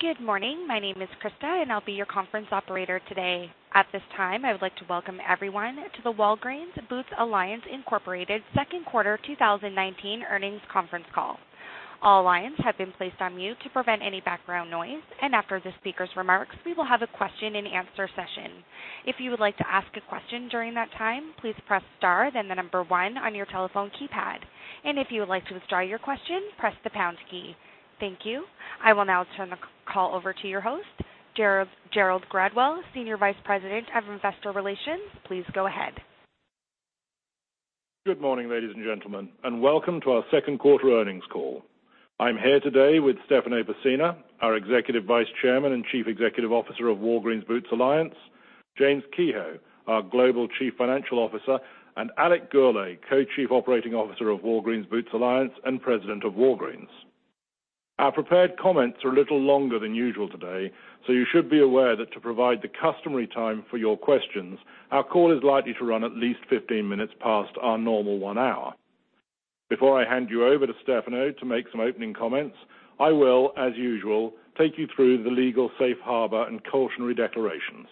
Good morning. My name is Krista, and I will be your conference operator today. At this time, I would like to welcome everyone to the Walgreens Boots Alliance, Inc. second quarter 2019 earnings conference call. All lines have been placed on mute to prevent any background noise. After the speaker's remarks, we will have a question and answer session. If you would like to ask a question during that time, please press star then the number 1 on your telephone keypad. If you would like to withdraw your question, press the pound key. Thank you. I will now turn the call over to your host, Gerald Gradwell, Senior Vice President of Investor Relations. Please go ahead. Good morning, ladies and gentlemen, welcome to our second quarter earnings call. I am here today with Stefano Pessina, our Executive Vice Chairman and Chief Executive Officer of Walgreens Boots Alliance, James Kehoe, our Global Chief Financial Officer, and Alex Gourlay, Co-Chief Operating Officer of Walgreens Boots Alliance and President of Walgreens. Our prepared comments are a little longer than usual today, so you should be aware that to provide the customary time for your questions, our call is likely to run at least 15 minutes past our normal one hour. Before I hand you over to Stefano to make some opening comments, I will, as usual, take you through the legal safe harbor and cautionary declarations.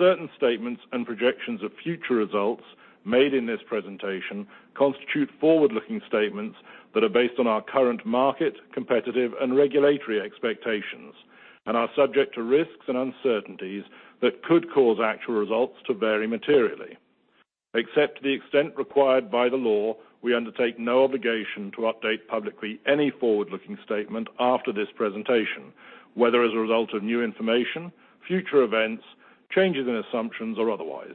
Certain statements and projections of future results made in this presentation constitute forward-looking statements that are based on our current market, competitive, and regulatory expectations and are subject to risks and uncertainties that could cause actual results to vary materially. Except to the extent required by the law, we undertake no obligation to update publicly any forward-looking statement after this presentation, whether as a result of new information, future events, changes in assumptions, or otherwise.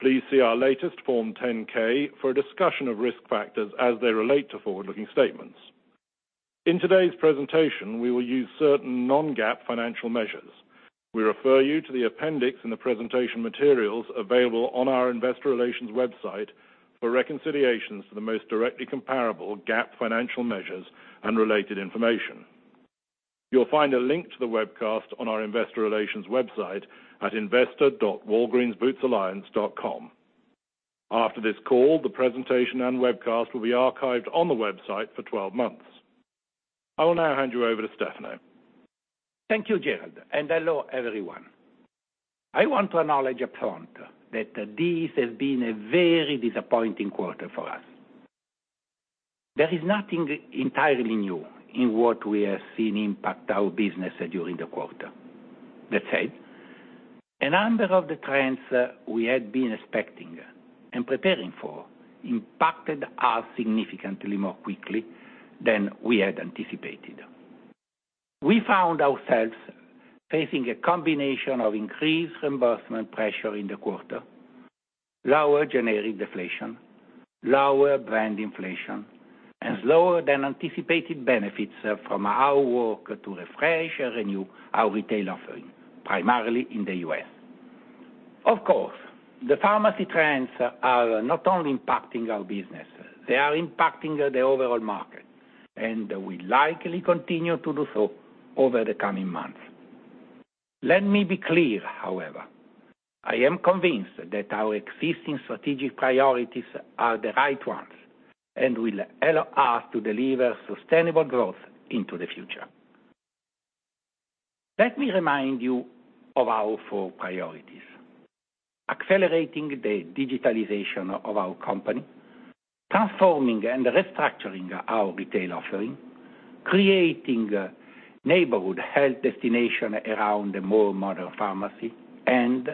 Please see our latest Form 10-K for a discussion of risk factors as they relate to forward-looking statements. In today's presentation, we will use certain non-GAAP financial measures. We refer you to the appendix in the presentation materials available on our investor relations website for reconciliations to the most directly comparable GAAP financial measures and related information. You will find a link to the webcast on our investor relations website at investor.walgreensbootsalliance.com. After this call, the presentation and webcast will be archived on the website for 12 months. I will now hand you over to Stefano. Thank you, Gerald, and hello, everyone. I want to acknowledge upfront that this has been a very disappointing quarter for us. There is nothing entirely new in what we have seen impact our business during the quarter. That said, a number of the trends we had been expecting and preparing for impacted us significantly more quickly than we had anticipated. We found ourselves facing a combination of increased reimbursement pressure in the quarter, lower generic deflation, lower brand inflation, and slower than anticipated benefits from our work to refresh and renew our retail offering, primarily in the U.S. Of course, the pharmacy trends are not only impacting our business, they are impacting the overall market, and will likely continue to do so over the coming months. Let me be clear, however. I am convinced that our existing strategic priorities are the right ones and will allow us to deliver sustainable growth into the future. Let me remind you of our four priorities: accelerating the digitalization of our company, transforming and restructuring our retail offering, creating neighborhood health destination around the more modern pharmacy, and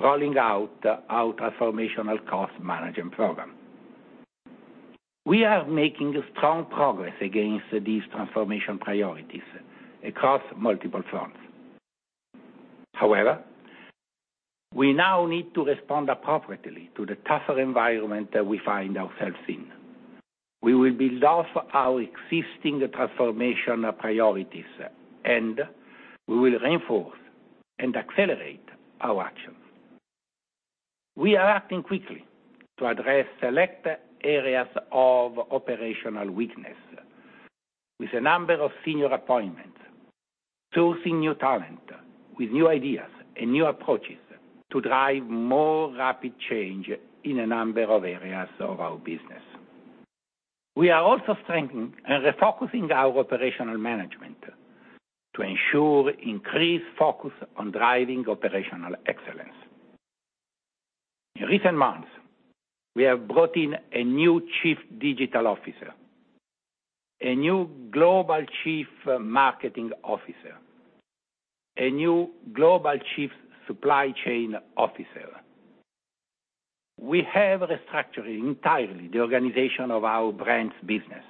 rolling out our Transformational Cost Management Program. We are making strong progress against these transformation priorities across multiple fronts. We now need to respond appropriately to the tougher environment that we find ourselves in. We will build off our existing transformation priorities, and we will reinforce and accelerate our actions. We are acting quickly to address select areas of operational weakness with a number of senior appointments, sourcing new talent with new ideas and new approaches to drive more rapid change in a number of areas of our business. We are also strengthening and refocusing our operational management to ensure increased focus on driving operational excellence. In recent months, we have brought in a new chief digital officer, a new global chief marketing officer, a new global chief supply chain officer. We have restructured entirely the organization of our brands business.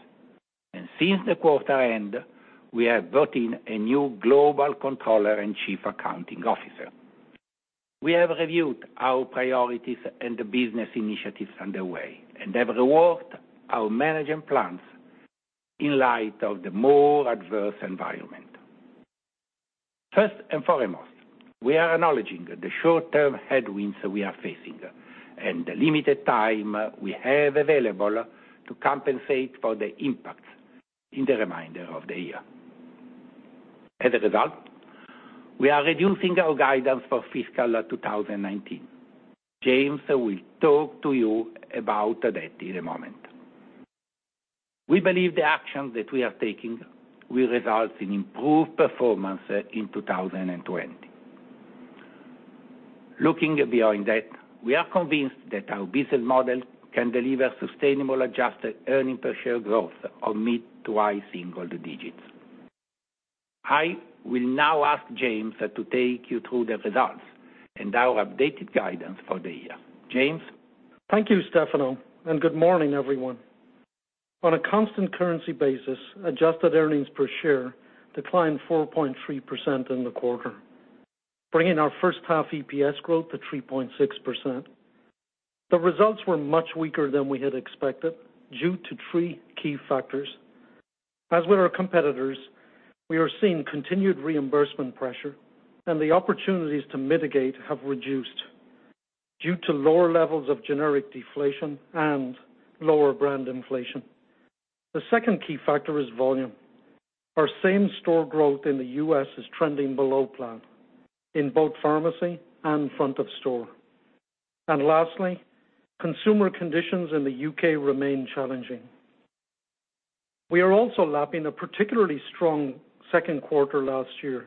Since the quarter end, we have brought in a new global controller and chief accounting officer. We have reviewed our priorities and the business initiatives underway and have reworked our management plans in light of the more adverse environment. First and foremost, we are acknowledging the short-term headwinds we are facing and the limited time we have available to compensate for the impact in the remainder of the year. As a result, we are reducing our guidance for fiscal 2019. James will talk to you about that in a moment. We believe the actions that we are taking will result in improved performance in 2020. Looking beyond that, we are convinced that our business model can deliver sustainable adjusted earnings per share growth of mid to high single digits. I will now ask James to take you through the results and our updated guidance for the year. James? Thank you, Stefano. Good morning, everyone. On a constant currency basis, adjusted earnings per share declined 4.3% in the quarter, bringing our first half EPS growth to 3.6%. The results were much weaker than we had expected due to three key factors. As with our competitors, we are seeing continued reimbursement pressure, and the opportunities to mitigate have reduced due to lower levels of generic deflation and lower brand inflation. The second key factor is volume. Our same-store growth in the U.S. is trending below plan in both pharmacy and front of store. Lastly, consumer conditions in the U.K. remain challenging. We are also lapping a particularly strong second quarter last year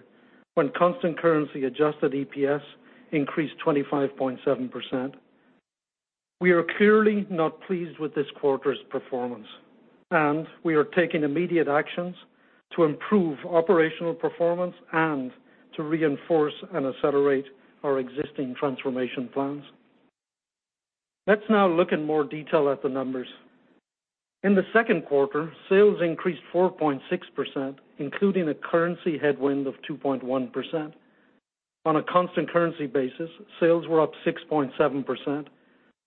when constant currency adjusted EPS increased 25.7%. We are clearly not pleased with this quarter's performance, and we are taking immediate actions to improve operational performance and to reinforce and accelerate our existing transformation plans. Let's now look in more detail at the numbers. In the second quarter, sales increased 4.6%, including a currency headwind of 2.1%. On a constant currency basis, sales were up 6.7%,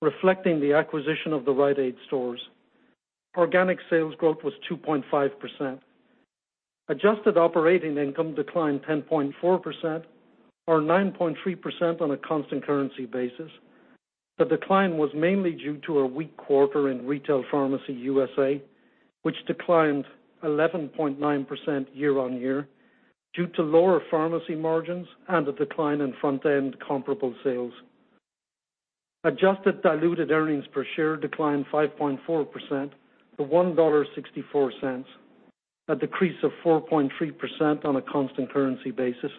reflecting the acquisition of the Rite Aid stores. Organic sales growth was 2.5%. Adjusted operating income declined 10.4%, or 9.3% on a constant currency basis. The decline was mainly due to a weak quarter in Retail Pharmacy USA, which declined 11.9% year-on-year due to lower pharmacy margins and a decline in front-end comparable sales. Adjusted diluted earnings per share declined 5.4% to $1.64, a decrease of 4.3% on a constant currency basis.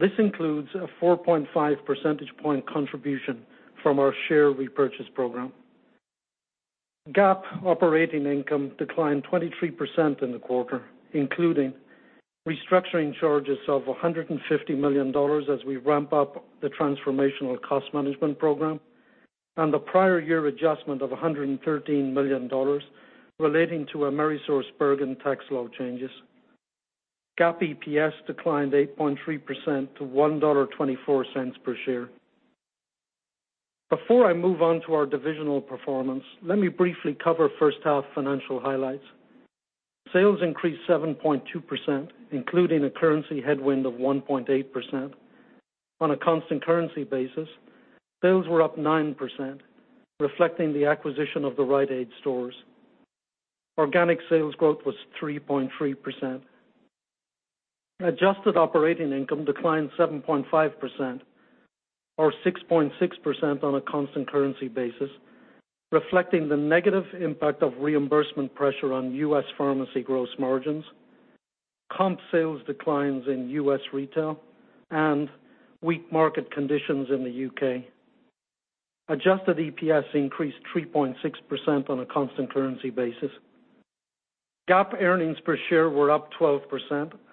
This includes a 4.5 percentage point contribution from our share repurchase program. GAAP operating income declined 23% in the quarter, including restructuring charges of $150 million as we ramp up the Transformational Cost Management Program and a prior year adjustment of $113 million relating to AmerisourceBergen tax law changes. GAAP EPS declined 8.3% to $1.24 per share. Before I move on to our divisional performance, let me briefly cover first half financial highlights. Sales increased 7.2%, including a currency headwind of 1.8%. On a constant currency basis, sales were up 9%, reflecting the acquisition of the Rite Aid stores. Organic sales growth was 3.3%. Adjusted operating income declined 7.5%, or 6.6% on a constant currency basis, reflecting the negative impact of reimbursement pressure on U.S. pharmacy gross margins, comp sales declines in U.S. retail, and weak market conditions in the U.K. Adjusted EPS increased 3.6% on a constant currency basis. GAAP earnings per share were up 12%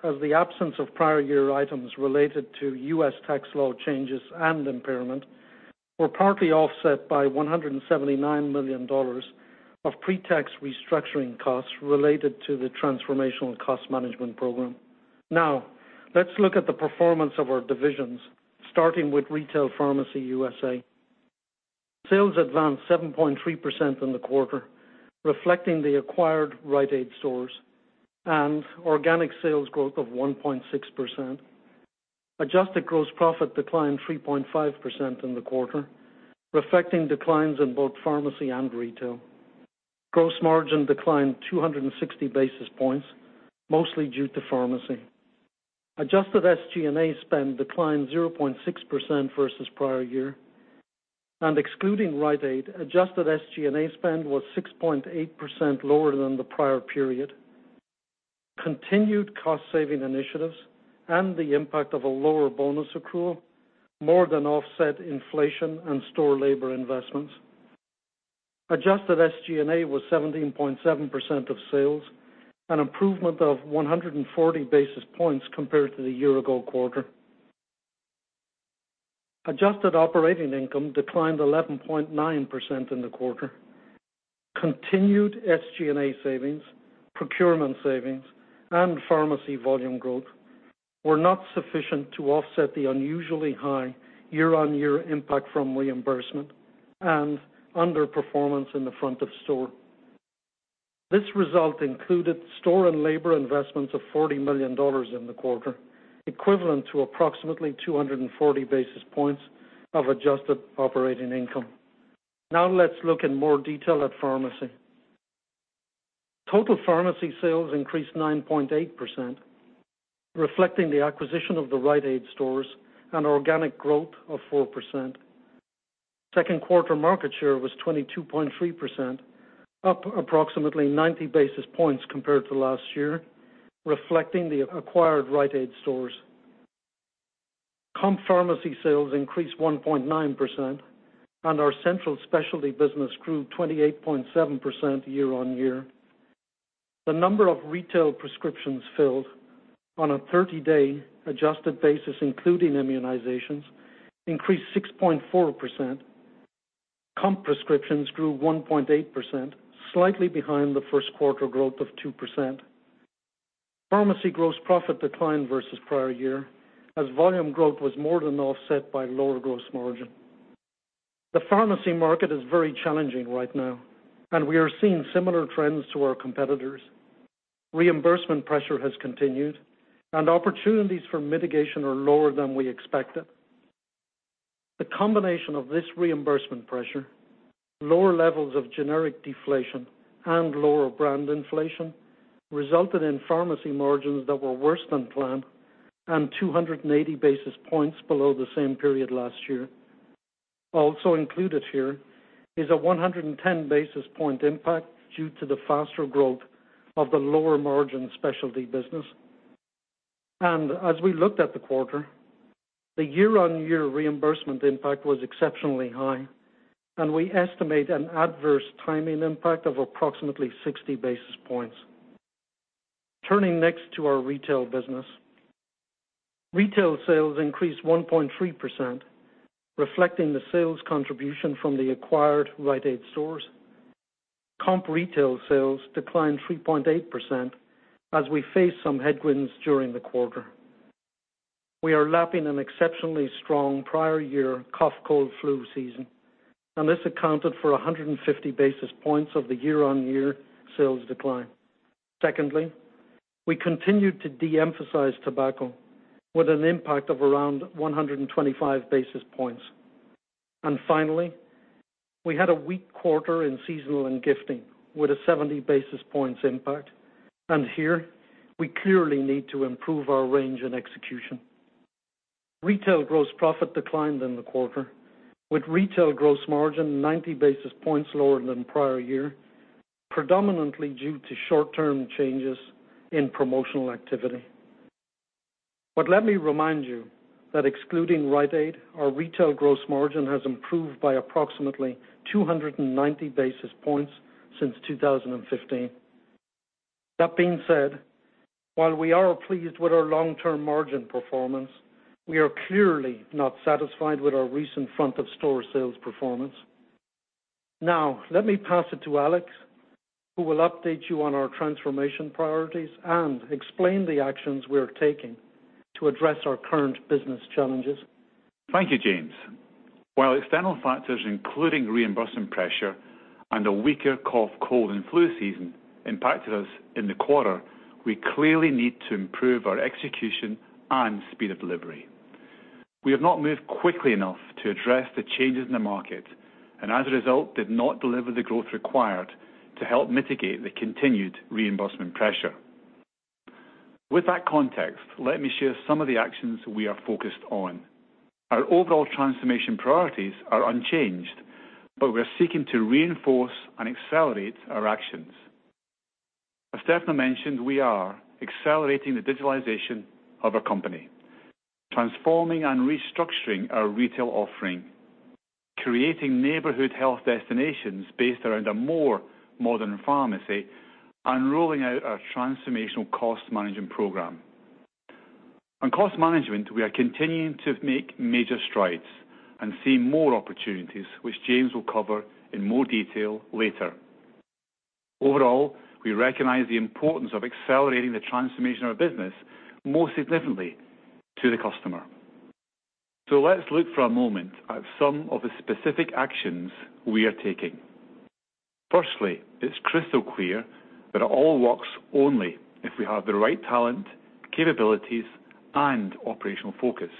as the absence of prior year items related to U.S. tax law changes and impairment were partly offset by $179 million of pre-tax restructuring costs related to the Transformational Cost Management Program. Let's look at the performance of our divisions, starting with Retail Pharmacy USA. Sales advanced 7.3% in the quarter, reflecting the acquired Rite Aid stores and organic sales growth of 1.6%. Adjusted gross profit declined 3.5% in the quarter, reflecting declines in both pharmacy and retail. Gross margin declined 260 basis points, mostly due to pharmacy. Adjusted SG&A spend declined 0.6% versus prior year, and excluding Rite Aid, adjusted SG&A spend was 6.8% lower than the prior period. Continued cost-saving initiatives and the impact of a lower bonus accrual more than offset inflation and store labor investments. Adjusted SG&A was 17.7% of sales, an improvement of 140 basis points compared to the year-ago quarter. Adjusted operating income declined 11.9% in the quarter. Continued SG&A savings, procurement savings, and pharmacy volume growth were not sufficient to offset the unusually high year-on-year impact from reimbursement and underperformance in the front of store. This result included store and labor investments of $40 million in the quarter, equivalent to approximately 240 basis points of adjusted operating income. Let's look in more detail at pharmacy. Total pharmacy sales increased 9.8%, reflecting the acquisition of the Rite Aid stores and organic growth of 4%. Second quarter market share was 22.3%, up approximately 90 basis points compared to last year, reflecting the acquired Rite Aid stores. Comp pharmacy sales increased 1.9%, and our central specialty business grew 28.7% year-on-year. The number of retail prescriptions filled on a 30-day adjusted basis, including immunizations, increased 6.4%. Comp prescriptions grew 1.8%, slightly behind the first quarter growth of 2%. Pharmacy gross profit declined versus prior year, as volume growth was more than offset by lower gross margin. The pharmacy market is very challenging right now, and we are seeing similar trends to our competitors. Reimbursement pressure has continued, and opportunities for mitigation are lower than we expected. The combination of this reimbursement pressure, lower levels of generic deflation, and lower brand inflation resulted in pharmacy margins that were worse than planned and 280 basis points below the same period last year. Also included here is a 110 basis point impact due to the faster growth of the lower margin specialty business. As we looked at the quarter, the year-on-year reimbursement impact was exceptionally high, and we estimate an adverse timing impact of approximately 60 basis points. Turning next to our retail business. Retail sales increased 1.3%, reflecting the sales contribution from the acquired Rite Aid stores. Comp retail sales declined 3.8% as we faced some headwinds during the quarter. We are lapping an exceptionally strong prior year cough, cold, flu season, and this accounted for 150 basis points of the year-on-year sales decline. Secondly, we continued to de-emphasize tobacco with an impact of around 125 basis points. Finally, we had a weak quarter in seasonal and gifting with a 70 basis points impact. Here, we clearly need to improve our range and execution. Retail gross profit declined in the quarter with retail gross margin 90 basis points lower than prior year, predominantly due to short-term changes in promotional activity. Let me remind you that excluding Rite Aid, our retail gross margin has improved by approximately 290 basis points since 2015. That being said, while we are pleased with our long-term margin performance, we are clearly not satisfied with our recent front of store sales performance. Let me pass it to Alex, who will update you on our transformation priorities and explain the actions we are taking to address our current business challenges. Thank you, James. While external factors, including reimbursement pressure and a weaker cough, cold, and flu season, impacted us in the quarter, we clearly need to improve our execution and speed of delivery. We have not moved quickly enough to address the changes in the market, as a result, did not deliver the growth required to help mitigate the continued reimbursement pressure. With that context, let me share some of the actions we are focused on. Our overall transformation priorities are unchanged, we're seeking to reinforce and accelerate our actions. As Stefano mentioned, we are accelerating the digitalization of our company, transforming and restructuring our retail offering, creating neighborhood health destinations based around a more modern pharmacy, and rolling out our Transformational Cost Management Program. On cost management, we are continuing to make major strides and see more opportunities, which James will cover in more detail later. Overall, we recognize the importance of accelerating the transformation of our business, most significantly to the customer. Let's look for a moment at some of the specific actions we are taking. Firstly, it's crystal clear that it all works only if we have the right talent, capabilities, and operational focus.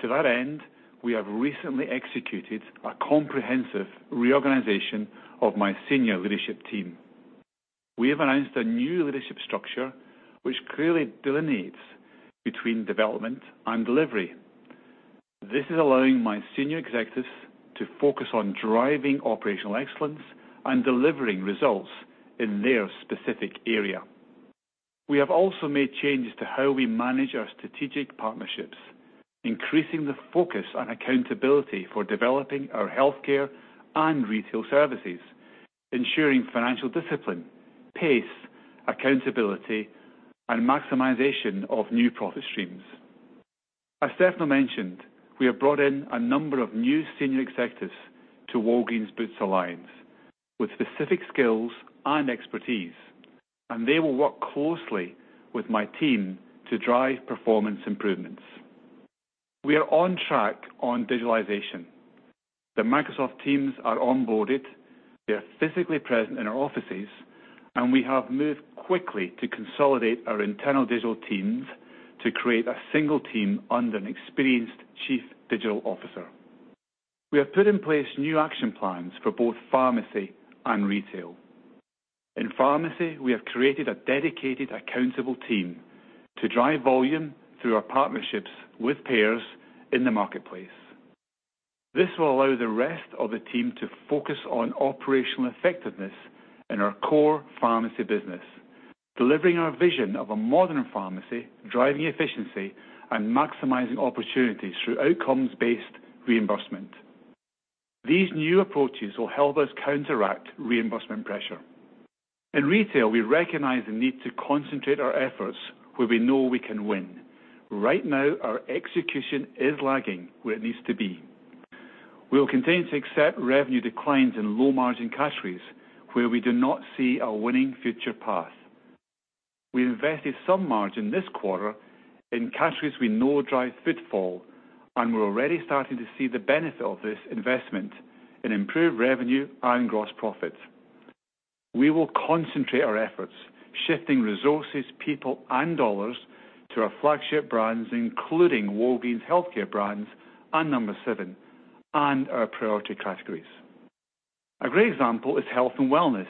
To that end, we have recently executed a comprehensive reorganization of my senior leadership team. We have announced a new leadership structure, which clearly delineates between development and delivery. This is allowing my senior executives to focus on driving operational excellence and delivering results in their specific area. We have also made changes to how we manage our strategic partnerships, increasing the focus on accountability for developing our healthcare and retail services, ensuring financial discipline, pace, accountability, and maximization of new profit streams. As Stefano mentioned, we have brought in a number of new senior executives to Walgreens Boots Alliance with specific skills and expertise, they will work closely with my team to drive performance improvements. We are on track on digitalization. The Microsoft Teams are onboarded. They are physically present in our offices, and we have moved quickly to consolidate our internal digital teams to create a single team under an experienced chief digital officer. We have put in place new action plans for both pharmacy and retail. In pharmacy, we have created a dedicated accountable team to drive volume through our partnerships with payers in the marketplace. This will allow the rest of the team to focus on operational effectiveness in our core pharmacy business, delivering our vision of a modern pharmacy, driving efficiency, and maximizing opportunities through outcomes-based reimbursement. These new approaches will help us counteract reimbursement pressure. In retail, we recognize the need to concentrate our efforts where we know we can win. Right now, our execution is lagging where it needs to be. We'll continue to accept revenue declines in low-margin categories where we do not see a winning future path. We invested some margin this quarter in categories we know drive footfall, we're already starting to see the benefit of this investment in improved revenue and gross profit. We will concentrate our efforts, shifting resources, people, and dollars to our flagship brands, including Walgreens Healthcare brands and No7, and our priority categories. A great example is health and wellness.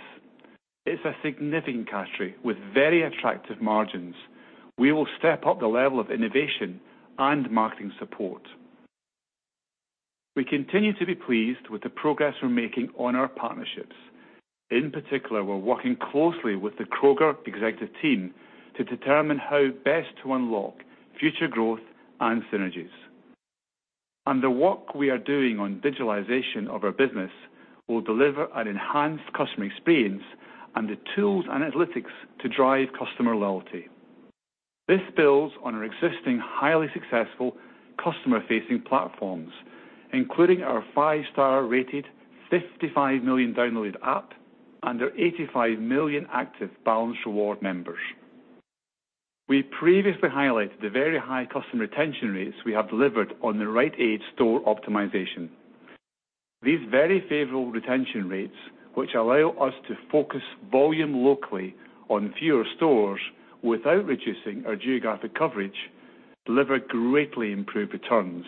It's a significant category with very attractive margins. We will step up the level of innovation and marketing support. We continue to be pleased with the progress we're making on our partnerships. In particular, we're working closely with the Kroger executive team to determine how best to unlock future growth and synergies. The work we are doing on digitalization of our business will deliver an enhanced customer experience and the tools and analytics to drive customer loyalty. This builds on our existing highly successful customer-facing platforms, including our five-star rated 55 million downloaded app and our 85 million active Balance Rewards members. We previously highlighted the very high customer retention rates we have delivered on the Rite Aid store optimization. These very favorable retention rates, which allow us to focus volume locally on fewer stores without reducing our geographic coverage, deliver greatly improved returns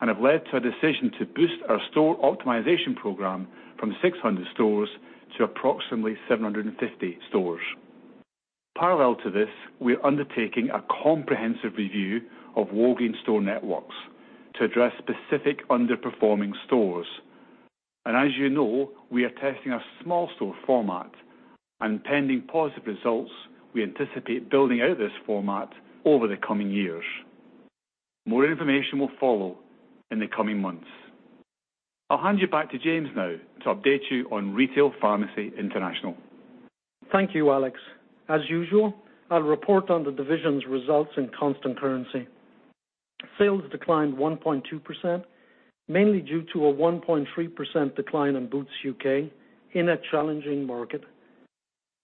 and have led to a decision to boost our store optimization program from 600 stores to approximately 750 stores. Parallel to this, we are undertaking a comprehensive review of Walgreens store networks to address specific underperforming stores. As you know, we are testing a small store format, and pending positive results, we anticipate building out this format over the coming years. More information will follow in the coming months. I'll hand you back to James now to update you on Retail Pharmacy International. Thank you, Alex. As usual, I'll report on the division's results in constant currency. Sales declined 1.2%, mainly due to a 1.3% decline in Boots U.K. in a challenging market.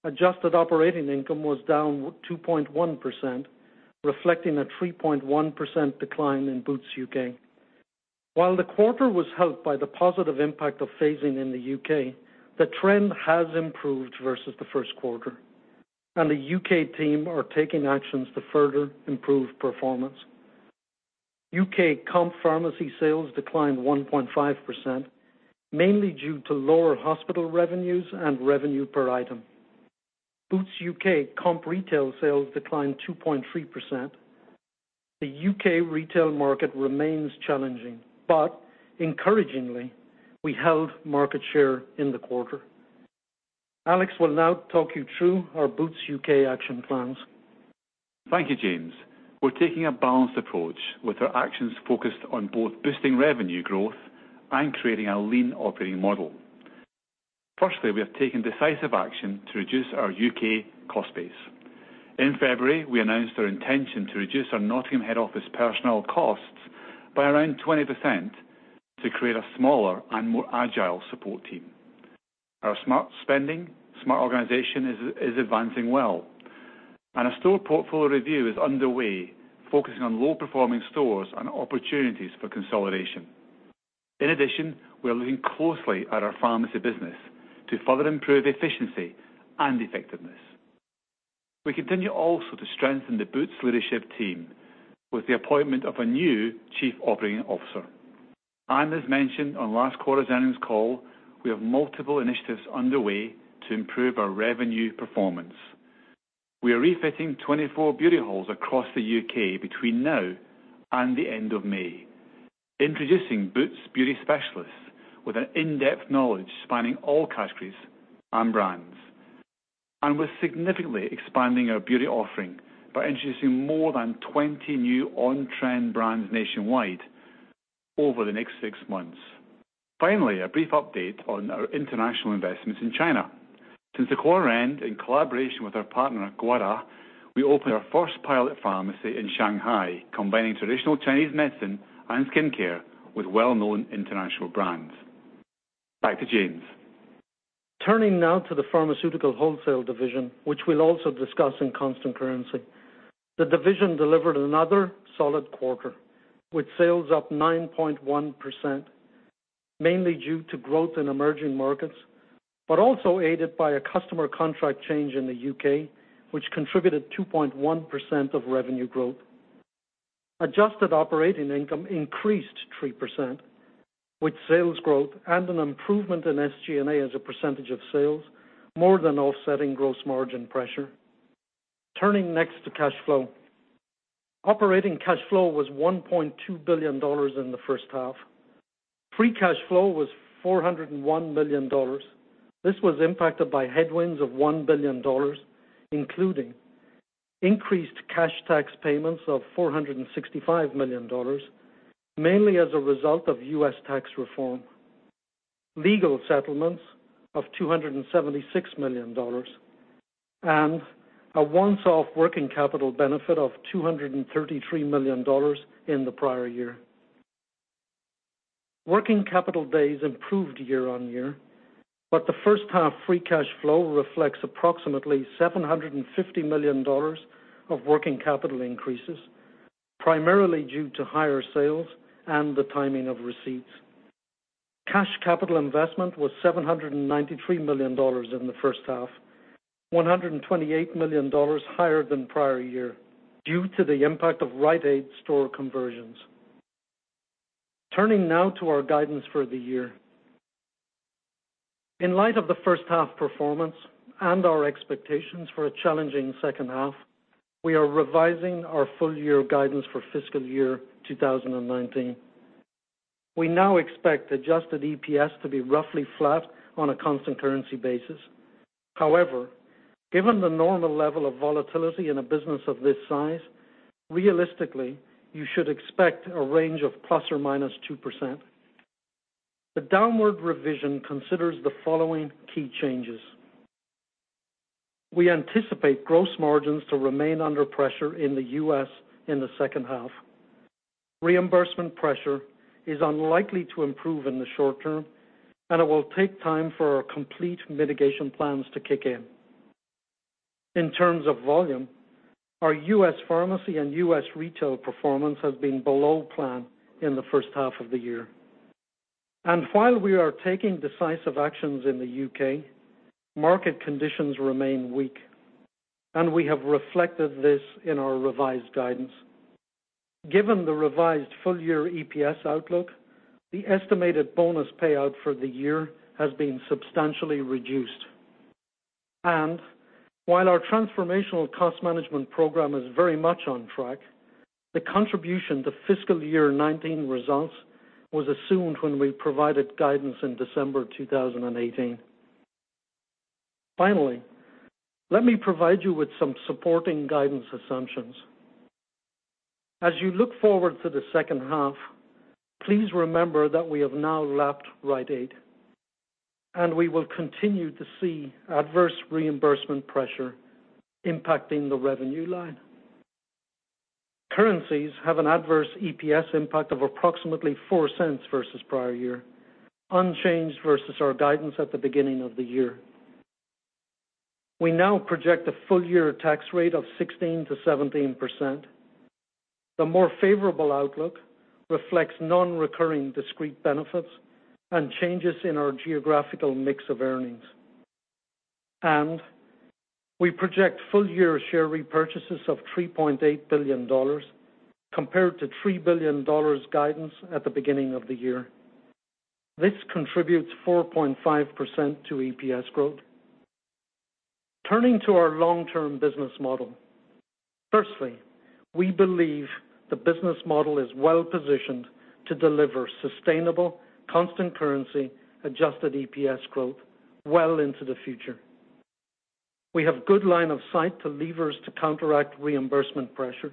Adjusted operating income was down 2.1%, reflecting a 3.1% decline in Boots U.K. While the quarter was helped by the positive impact of phasing in the U.K., the trend has improved versus the first quarter, and the U.K. team are taking actions to further improve performance. U.K. comp pharmacy sales declined 1.5%, mainly due to lower hospital revenues and revenue per item. Boots U.K. comp retail sales declined 2.3%. The U.K. retail market remains challenging, but encouragingly, we held market share in the quarter. Alex will now talk you through our Boots U.K. action plans. Thank you, James. We're taking a balanced approach with our actions focused on both boosting revenue growth and creating a lean operating model. Firstly, we have taken decisive action to reduce our U.K. cost base. In February, we announced our intention to reduce our Nottingham head office personnel costs by around 20% to create a smaller and more agile support team. Our smart spending, smart organization is advancing well. A store portfolio review is underway, focusing on low-performing stores and opportunities for consolidation. In addition, we are looking closely at our pharmacy business to further improve efficiency and effectiveness. We continue also to strengthen the Boots leadership team with the appointment of a new chief operating officer. As mentioned on last quarter's earnings call, we have multiple initiatives underway to improve our revenue performance. We are refitting 24 beauty halls across the U.K. between now and the end of May, introducing Boots beauty specialists with an in-depth knowledge spanning all categories and brands. We're significantly expanding our beauty offering by introducing more than 20 new on-trend brands nationwide over the next six months. Finally, a brief update on our international investments in China. Since the quarter end, in collaboration with our partner GuoDa, we opened our first pilot pharmacy in Shanghai, combining traditional Chinese medicine and skincare with well-known international brands. Back to James. Turning now to the pharmaceutical wholesale division, which we'll also discuss in constant currency. The division delivered another solid quarter with sales up 9.1%, mainly due to growth in emerging markets. Also aided by a customer contract change in the U.K., which contributed 2.1% of revenue growth. Adjusted operating income increased 3%, with sales growth and an improvement in SG&A as a percentage of sales, more than offsetting gross margin pressure. Turning next to cash flow. Operating cash flow was $1.2 billion in the first half. Free cash flow was $401 million. This was impacted by headwinds of $1 billion, including increased cash tax payments of $465 million, mainly as a result of U.S. tax reform. Legal settlements of $276 million, and a once-off working capital benefit of $233 million in the prior year. Working capital days improved year-on-year, the first half free cash flow reflects approximately $750 million of working capital increases, primarily due to higher sales and the timing of receipts. Cash capital investment was $793 million in the first half, $128 million higher than prior year, due to the impact of Rite Aid store conversions. Turning now to our guidance for the year. In light of the first half performance and our expectations for a challenging second half, we are revising our full year guidance for fiscal year 2019. We now expect adjusted EPS to be roughly flat on a constant currency basis. However, given the normal level of volatility in a business of this size, realistically, you should expect a range of ±2%. The downward revision considers the following key changes. We anticipate gross margins to remain under pressure in the U.S. in the second half. Reimbursement pressure is unlikely to improve in the short term, it will take time for our complete mitigation plans to kick in. In terms of volume, our U.S. pharmacy and U.S. retail performance has been below plan in the first half of the year. While we are taking decisive actions in the U.K., market conditions remain weak, we have reflected this in our revised guidance. Given the revised full year EPS outlook, the estimated bonus payout for the year has been substantially reduced. While our Transformational Cost Management Program is very much on track, the contribution to fiscal year 2019 results was assumed when we provided guidance in December 2018. Finally, let me provide you with some supporting guidance assumptions. As you look forward to the second half, please remember that we have now lapped Rite Aid, and we will continue to see adverse reimbursement pressure impacting the revenue line. Currencies have an adverse EPS impact of approximately $0.04 versus prior year, unchanged versus our guidance at the beginning of the year. We now project a full year tax rate of 16%-17%. The more favorable outlook reflects non-recurring discrete benefits and changes in our geographical mix of earnings. We project full year share repurchases of $3.8 billion compared to $3 billion guidance at the beginning of the year. This contributes 4.5% to EPS growth. Turning to our long-term business model. Firstly, we believe the business model is well positioned to deliver sustainable, constant currency adjusted EPS growth well into the future. We have good line of sight to levers to counteract reimbursement pressure.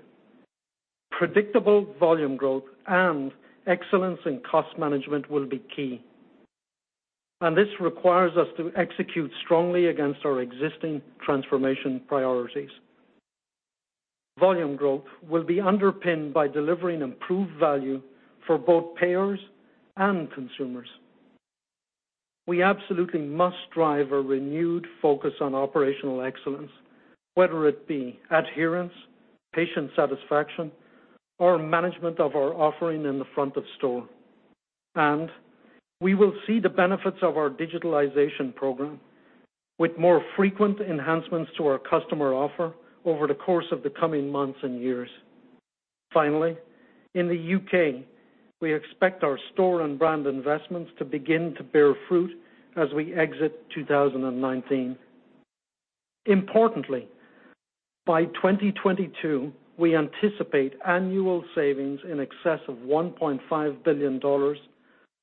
Predictable volume growth and excellence in cost management will be key. This requires us to execute strongly against our existing transformation priorities. Volume growth will be underpinned by delivering improved value for both payers and consumers. We absolutely must drive a renewed focus on operational excellence, whether it be adherence, patient satisfaction, or management of our offering in the front of store. We will see the benefits of our digitalization program with more frequent enhancements to our customer offer over the course of the coming months and years. Finally, in the U.K., we expect our store and brand investments to begin to bear fruit as we exit 2019. Importantly, by 2022, we anticipate annual savings in excess of $1.5 billion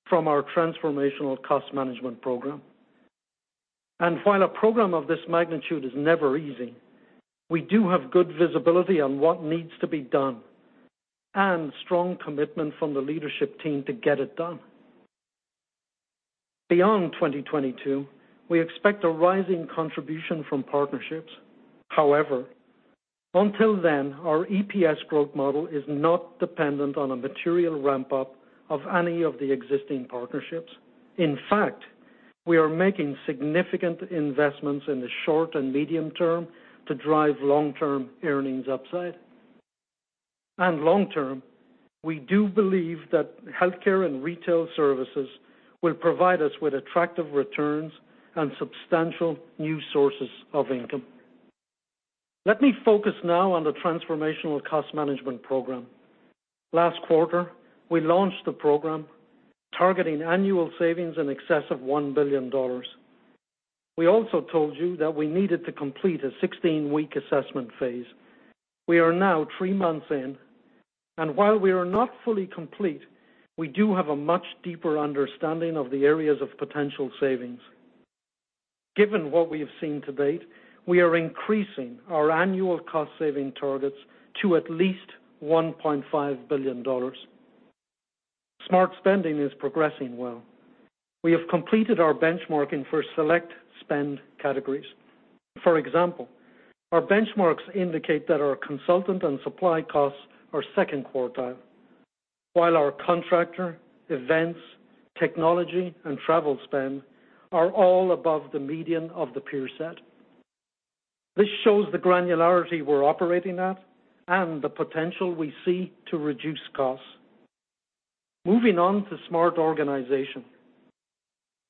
from our Transformational Cost Management Program. While a program of this magnitude is never easy, we do have good visibility on what needs to be done and strong commitment from the leadership team to get it done. Beyond 2022, we expect a rising contribution from partnerships. However, until then, our EPS growth model is not dependent on a material ramp-up of any of the existing partnerships. In fact, we are making significant investments in the short and medium term to drive long-term earnings upside. Long term, we do believe that healthcare and retail services will provide us with attractive returns and substantial new sources of income. Let me focus now on the Transformational Cost Management Program. Last quarter, we launched the program targeting annual savings in excess of $1 billion. We also told you that we needed to complete a 16-week assessment phase. We are now three months in, and while we are not fully complete, we do have a much deeper understanding of the areas of potential savings. Given what we have seen to date, we are increasing our annual cost-saving targets to at least $1.5 billion. Smart Spending is progressing well. We have completed our benchmarking for select spend categories. For example, our benchmarks indicate that our consultant and supply costs are second quartile, while our contractor, events, technology, and travel spend are all above the median of the peer set. This shows the granularity we're operating at and the potential we see to reduce costs. Moving on to Smart Organization.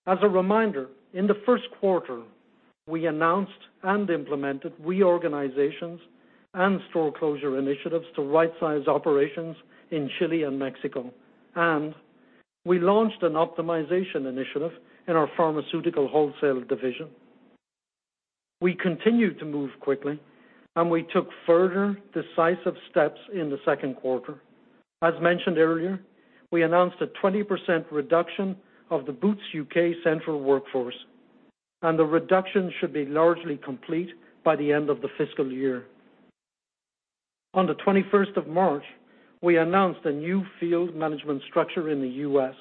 As a reminder, in the first quarter, we announced and implemented reorganizations and store closure initiatives to rightsize operations in Chile and Mexico. We launched an optimization initiative in our pharmaceutical wholesale division. We continued to move quickly, we took further decisive steps in the second quarter. As mentioned earlier, we announced a 20% reduction of the Boots U.K. central workforce, the reduction should be largely complete by the end of the fiscal year. On the 21st of March, we announced a new field management structure in the U.S.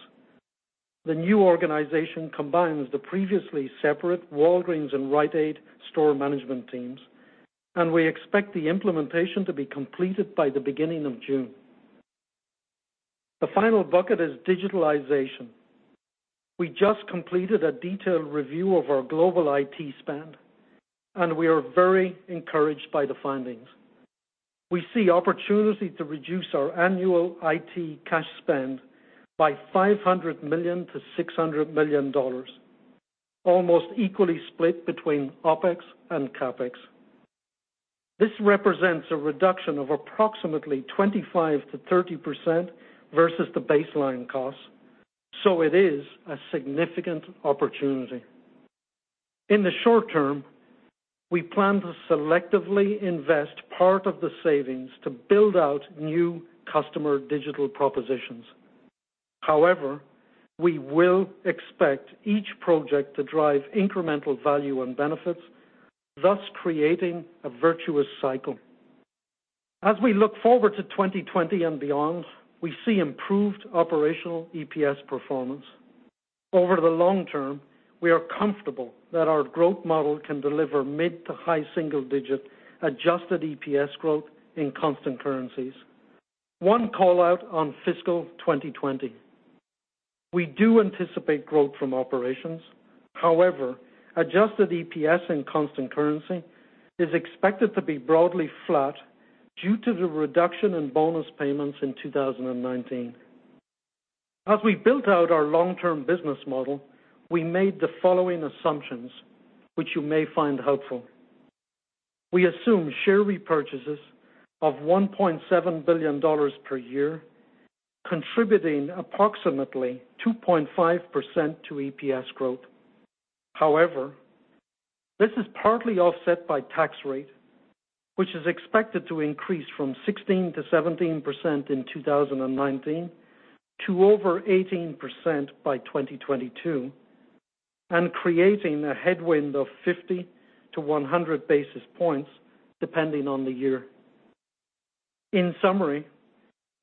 The new organization combines the previously separate Walgreens and Rite Aid store management teams, we expect the implementation to be completed by the beginning of June. The final bucket is digitalization. We just completed a detailed review of our global IT spend, we are very encouraged by the findings. We see opportunity to reduce our annual IT cash spend by $500 million-$600 million, almost equally split between OpEx and CapEx. This represents a reduction of approximately 25%-30% versus the baseline cost. It is a significant opportunity. In the short term, we plan to selectively invest part of the savings to build out new customer digital propositions. However, we will expect each project to drive incremental value and benefits, thus creating a virtuous cycle. As we look forward to 2020 and beyond, we see improved operational EPS performance. Over the long term, we are comfortable that our growth model can deliver mid to high single-digit adjusted EPS growth in constant currencies. One call-out on fiscal 2020. We do anticipate growth from operations. However, adjusted EPS in constant currency is expected to be broadly flat due to the reduction in bonus payments in 2019. As we built out our long-term business model, we made the following assumptions, which you may find helpful. We assume share repurchases of $1.7 billion per year, contributing approximately 2.5% to EPS growth. However, this is partly offset by tax rate, which is expected to increase from 16%-17% in 2019 to over 18% by 2022, creating a headwind of 50-100 basis points, depending on the year. In summary,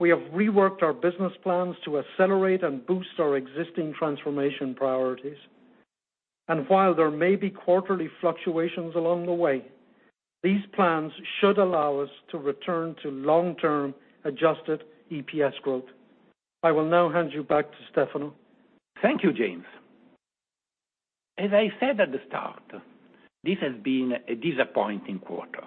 we have reworked our business plans to accelerate and boost our existing transformation priorities. While there may be quarterly fluctuations along the way, these plans should allow us to return to long-term adjusted EPS growth. I will now hand you back to Stefano. Thank you, James. As I said at the start, this has been a disappointing quarter,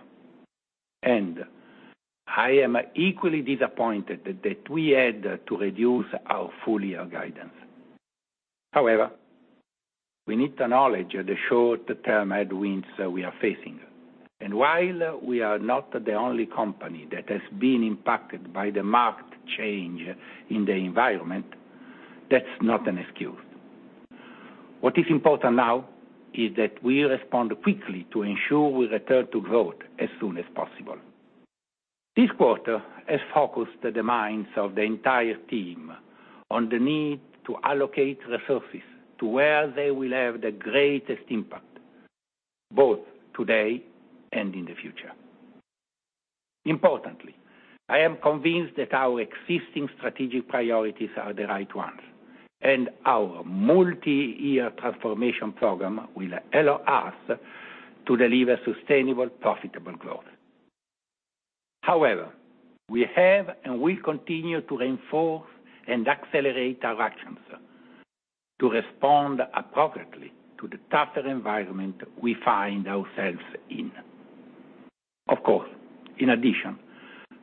I am equally disappointed that we had to reduce our full-year guidance. However, we need to acknowledge the short-term headwinds that we are facing. While we are not the only company that has been impacted by the marked change in the environment, that's not an excuse. What is important now is that we respond quickly to ensure we return to growth as soon as possible. This quarter has focused the minds of the entire team on the need to allocate resources to where they will have the greatest impact, both today and in the future. Importantly, I am convinced that our existing strategic priorities are the right ones, our multi-year transformation program will allow us to deliver sustainable, profitable growth. We have and will continue to reinforce and accelerate our actions to respond appropriately to the tougher environment we find ourselves in. In addition,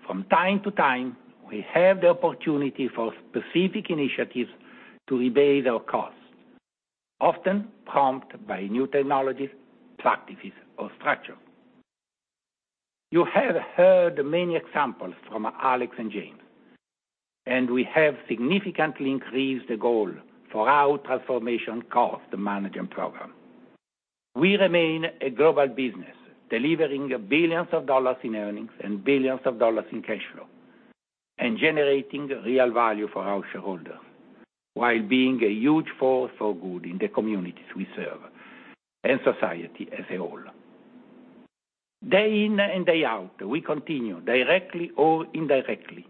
from time to time, we have the opportunity for specific initiatives to abate our costs, often prompted by new technologies, practices, or structure. You have heard many examples from Alex and James, and we have significantly increased the goal for our Transformational Cost Management Program. We remain a global business, delivering billions of dollars in earnings and billions of dollars in cash flow, and generating real value for our shareholders, while being a huge force for good in the communities we serve and society as a whole. Day in and day out, we continue directly or indirectly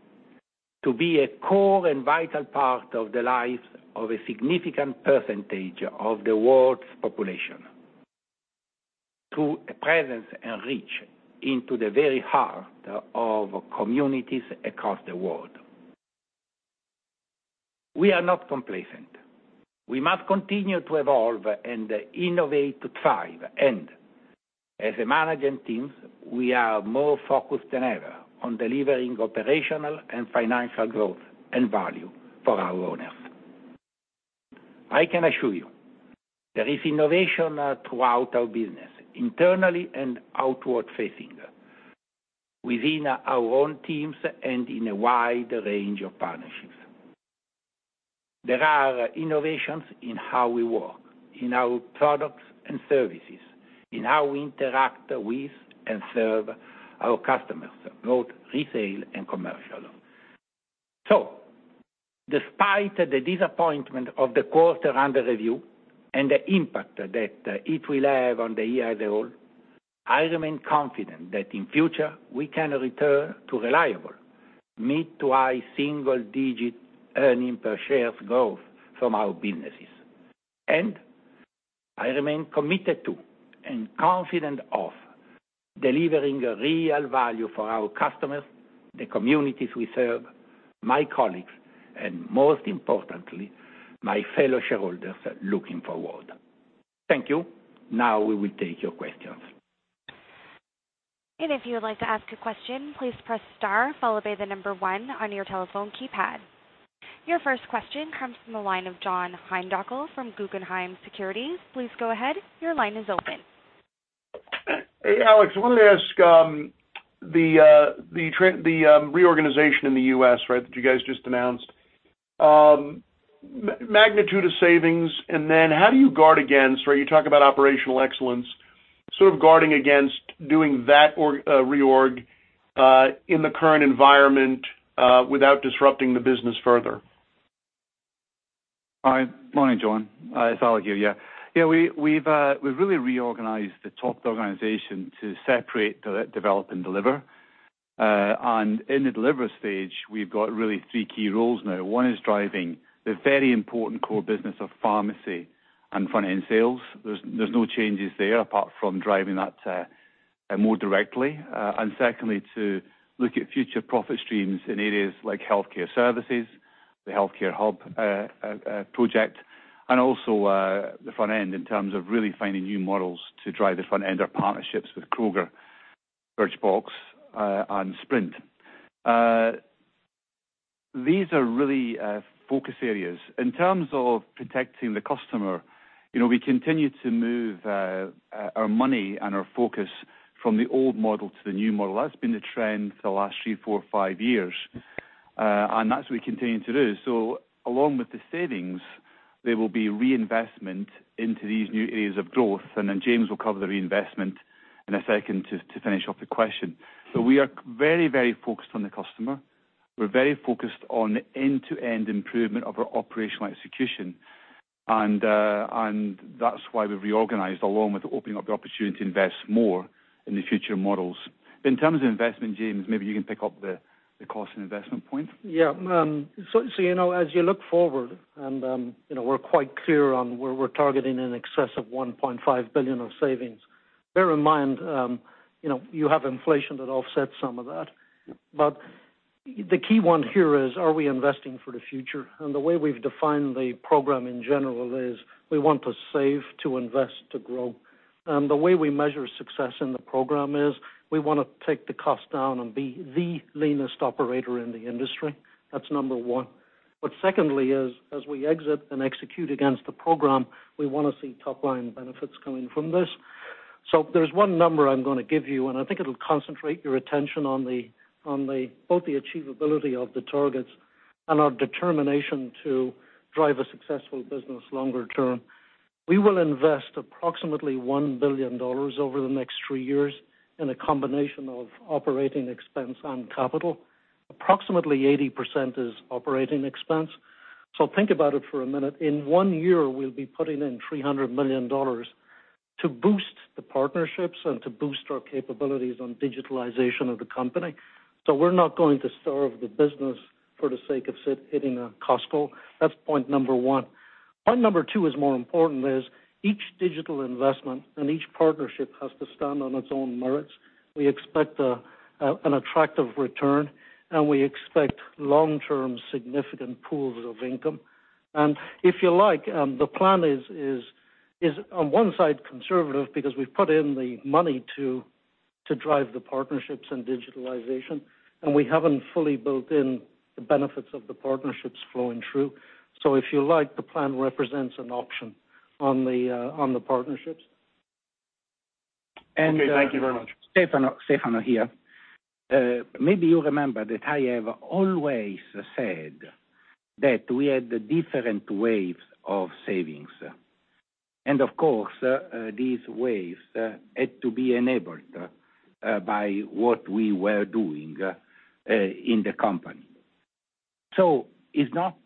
to be a core and vital part of the lives of a significant percentage of the world's population, through a presence and reach into the very heart of communities across the world. We are not complacent. We must continue to evolve and innovate to thrive. As a management team, we are more focused than ever on delivering operational and financial growth and value for our owners. I can assure you there is innovation throughout our business, internally and outward-facing, within our own teams and in a wide range of partnerships. There are innovations in how we work, in our products and services, in how we interact with and serve our customers, both retail and commercial. Despite the disappointment of the quarter under review and the impact that it will have on the year as a whole, I remain confident that in future we can return to reliable mid to high single-digit earnings per shares growth from our businesses. I remain committed to, and confident of, delivering real value for our customers, the communities we serve, my colleagues, and most importantly, my fellow shareholders looking forward. Thank you. Now we will take your questions. If you would like to ask a question, please press star followed by the number 1 on your telephone keypad. Your first question comes from the line of John Heinbockel from Guggenheim Securities. Please go ahead. Your line is open. Hey, Alex, wanted to ask the reorganization in the U.S. that you guys just announced. Magnitude of savings, how do you guard against, you talk about operational excellence, sort of guarding against doing that reorg in the current environment without disrupting the business further? Hi. Morning, John. It's Alex here. We've really reorganized the top organization to separate develop and deliver. In the deliver stage, we've got really three key roles now. One is driving the very important core business of pharmacy and front-end sales. There's no changes there apart from driving that more directly. Secondly, to look at future profit streams in areas like healthcare services, the Healthcare Hub project, and also the front end in terms of really finding new models to drive the front end, our partnerships with Kroger, Birchbox, and Sprint. These are really focus areas. In terms of protecting the customer, we continue to move our money and our focus from the old model to the new model. That's been the trend for the last three, four, five years. That's what we continue to do. Along with the savings, there will be reinvestment into these new areas of growth. James will cover the reinvestment in a second to finish off the question. We are very focused on the customer. We're very focused on end-to-end improvement of our operational execution. That's why we reorganized along with opening up the opportunity to invest more in the future models. In terms of investment, James, maybe you can pick up the cost and investment point. As you look forward, we're quite clear on where we're targeting in excess of $1.5 billion of savings. Bear in mind you have inflation that offsets some of that. The key one here is, are we investing for the future? The way we've defined the program in general is we want to save, to invest, to grow. The way we measure success in the program is we want to take the cost down and be the leanest operator in the industry. That's number 1. Secondly is, as we exit and execute against the program, we want to see top-line benefits coming from this. There's one number I'm going to give you, I think it'll concentrate your attention on both the achievability of the targets and our determination to drive a successful business longer term. We will invest approximately $1 billion over the next 3 years in a combination of operating expense and capital. Approximately 80% is operating expense. Think about it for a minute. In 1 year, we'll be putting in $300 million to boost the partnerships and to boost our capabilities on digitalization of the company. We're not going to starve the business for the sake of hitting a cost goal. That's point number one. Point number two is more important, is each digital investment and each partnership has to stand on its own merits. We expect an attractive return, and we expect long-term significant pools of income. If you like, the plan is Is on one side conservative because we've put in the money to drive the partnerships and digitalization, and we haven't fully built in the benefits of the partnerships flowing through. If you like, the plan represents an option on the partnerships. Okay. Thank you very much. Stefano here. Maybe you remember that I have always said that we had different waves of savings. Of course, these waves had to be enabled by what we were doing in the company. It's not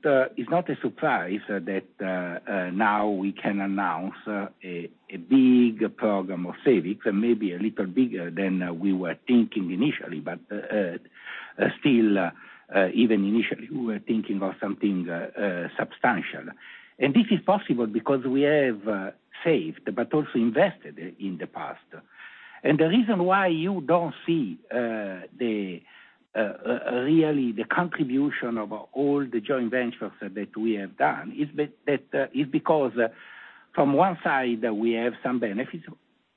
a surprise that now we can announce a big program of savings and maybe a little bigger than we were thinking initially, but still, even initially, we were thinking of something substantial. This is possible because we have saved but also invested in the past. The reason why you don't see really the contribution of all the joint ventures that we have done is because from one side, we have some benefits.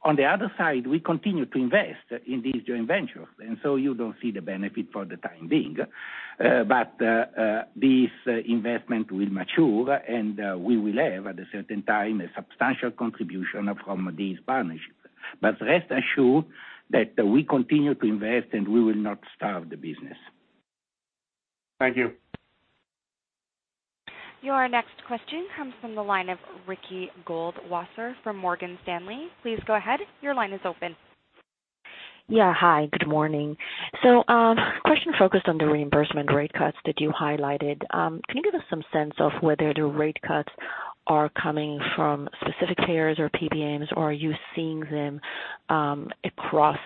On the other side, we continue to invest in these joint ventures. You don't see the benefit for the time being. This investment will mature, and we will have, at a certain time, a substantial contribution from these partnerships. Rest assured that we continue to invest, and we will not starve the business. Thank you. Your next question comes from the line of Ricky Goldwasser from Morgan Stanley. Please go ahead. Your line is open. Yeah. Hi, good morning. Question focused on the reimbursement rate cuts that you highlighted. Can you give us some sense of whether the rate cuts are coming from specific payers or PBMs, or are you seeing them across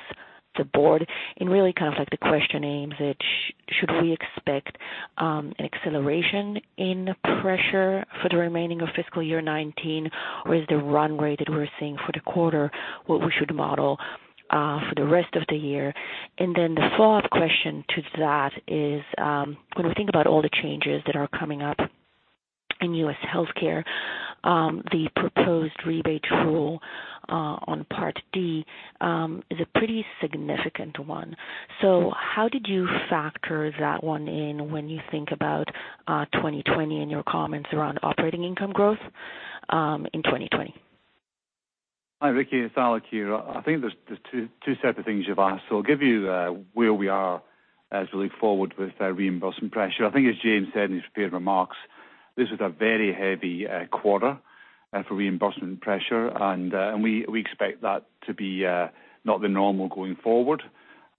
the board? Really the question aims at should we expect an acceleration in pressure for the remaining of fiscal year 2019, or is the run rate that we're seeing for the quarter what we should model for the rest of the year? Then the follow-up question to that is when we think about all the changes that are coming up in U.S. healthcare, the proposed rebate rule on Part D is a pretty significant one. How did you factor that one in when you think about 2020 in your comments around operating income growth in 2020? Hi, Ricky, it's Alex here. I think there's two separate things you've asked. I'll give you where we are as we look forward with reimbursement pressure. I think as James said in his prepared remarks, this was a very heavy quarter for reimbursement pressure, and we expect that to be not the normal going forward.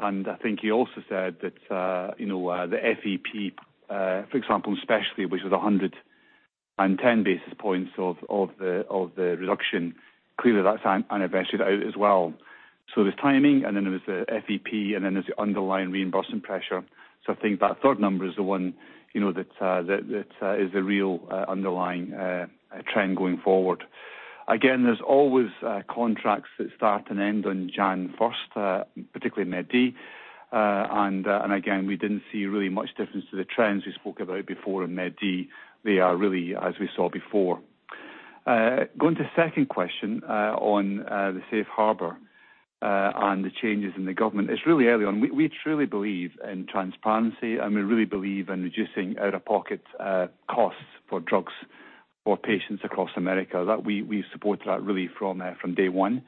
I think he also said that the FEP, for example, in specialty, which was 110 basis points of the reduction, clearly that's invested out as well. There's timing, and then there was the FEP, and then there's the underlying reimbursement pressure. I think that third number is the one that is the real underlying trend going forward. Again, there's always contracts that start and end on January 1st, particularly in Part D. Again, we didn't see really much difference to the trends we spoke about before in Part D. They are really as we saw before. Going to second question on the safe harbor on the changes in the government. It's really early on. We truly believe in transparency, and we really believe in reducing out-of-pocket costs for drugs for patients across America. That we supported that really from day one.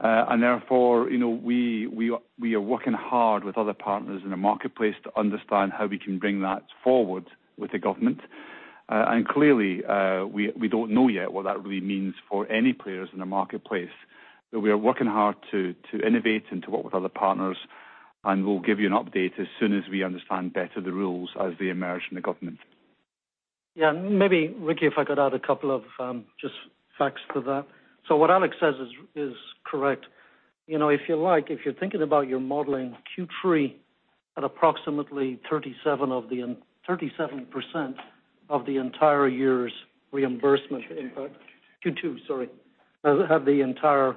Therefore, we are working hard with other partners in the marketplace to understand how we can bring that forward with the government. Clearly, we don't know yet what that really means for any players in the marketplace. We are working hard to innovate and to work with other partners, and we'll give you an update as soon as we understand better the rules as they emerge in the government. Yeah. Maybe Ricky, if I could add a couple of just facts to that. What Alex says is correct. If you like, if you're thinking about your modeling Q3 at approximately 37% of the entire year's reimbursement impact. Q2, sorry. Have the entire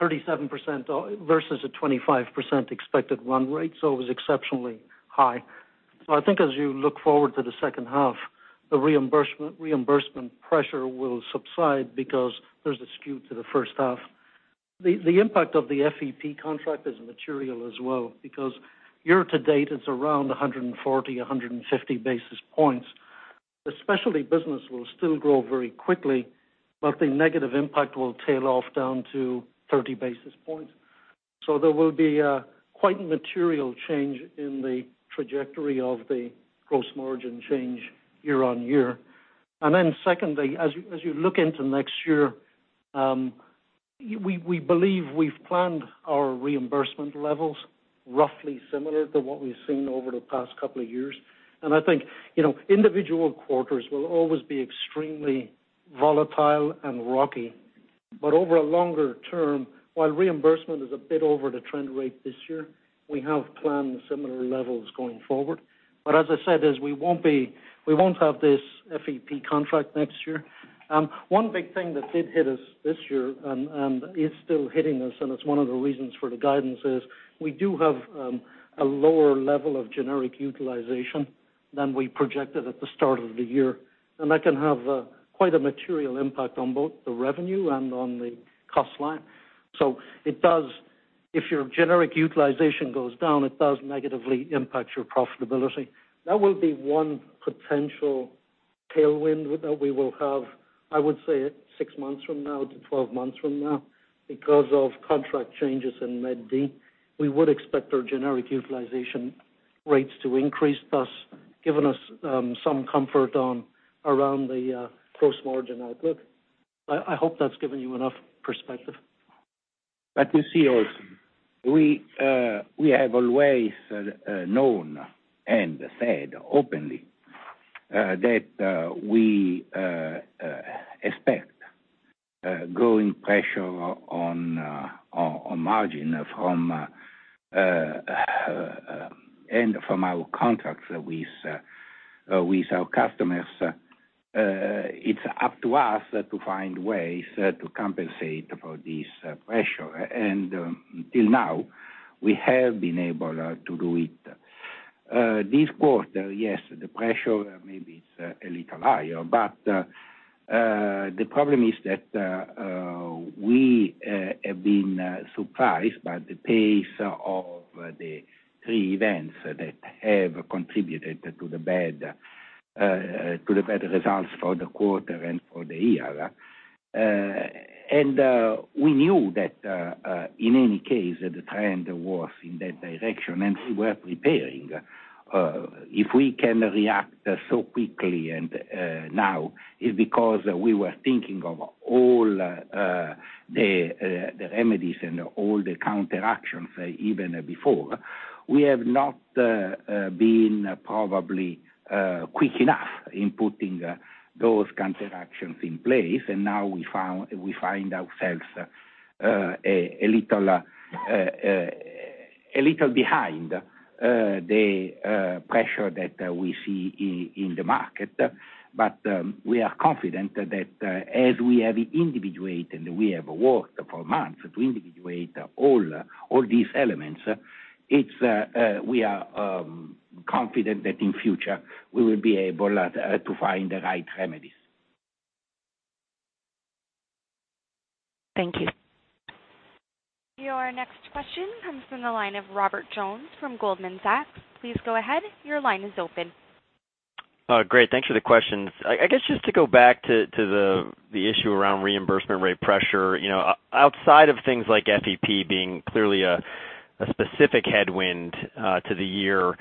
37% versus a 25% expected run rate. It was exceptionally high. I think as you look forward to the second half, the reimbursement pressure will subside because there's a skew to the first half. The impact of the FEP contract is material as well because year-to-date, it's around 140-150 basis points. The specialty business will still grow very quickly, but the negative impact will tail off down to 30 basis points. There will be a quite material change in the trajectory of the gross margin change year-on-year. Secondly, as you look into next year, we believe we've planned our reimbursement levels roughly similar to what we've seen over the past couple of years. I think individual quarters will always be extremely volatile and rocky. Over a longer term, while reimbursement is a bit over the trend rate this year, we have planned similar levels going forward. As I said, is we won't have this FEP contract next year. One big thing that did hit us this year and is still hitting us, and it's one of the reasons for the guidance, is we do have a lower level of generic utilization Than we projected at the start of the year. That can have quite a material impact on both the revenue and on the cost line. If your generic utilization goes down, it does negatively impact your profitability. That will be one potential tailwind that we will have, I would say, six months from now to 12 months from now. Because of contract changes in Med D, we would expect our generic utilization rates to increase, thus giving us some comfort around the gross margin outlook. I hope that's given you enough perspective. You see also, we have always known and said openly, that we expect growing pressure on margin from our contracts with our customers. It's up to us to find ways to compensate for this pressure. Until now, we have been able to do it. This quarter, yes, the pressure maybe is a little higher, the problem is that we have been surprised by the pace of the three events that have contributed to the bad results for the quarter and for the year. We knew that, in any case, the trend was in that direction, and we were preparing. If we can react so quickly and now, it's because we were thinking of all the remedies and all the counteractions, even before. We have not been probably quick enough in putting those counteractions in place, now we find ourselves a little behind the pressure that we see in the market. We are confident that as we have individuated, and we have worked for months to individuate all these elements, we are confident that in future we will be able to find the right remedies. Thank you. Your next question comes from the line of Robert Jones from Goldman Sachs. Please go ahead. Your line is open. Great, thanks for the questions. I guess just to go back to the issue around reimbursement rate pressure, outside of things like FEP being clearly a specific headwind to the year.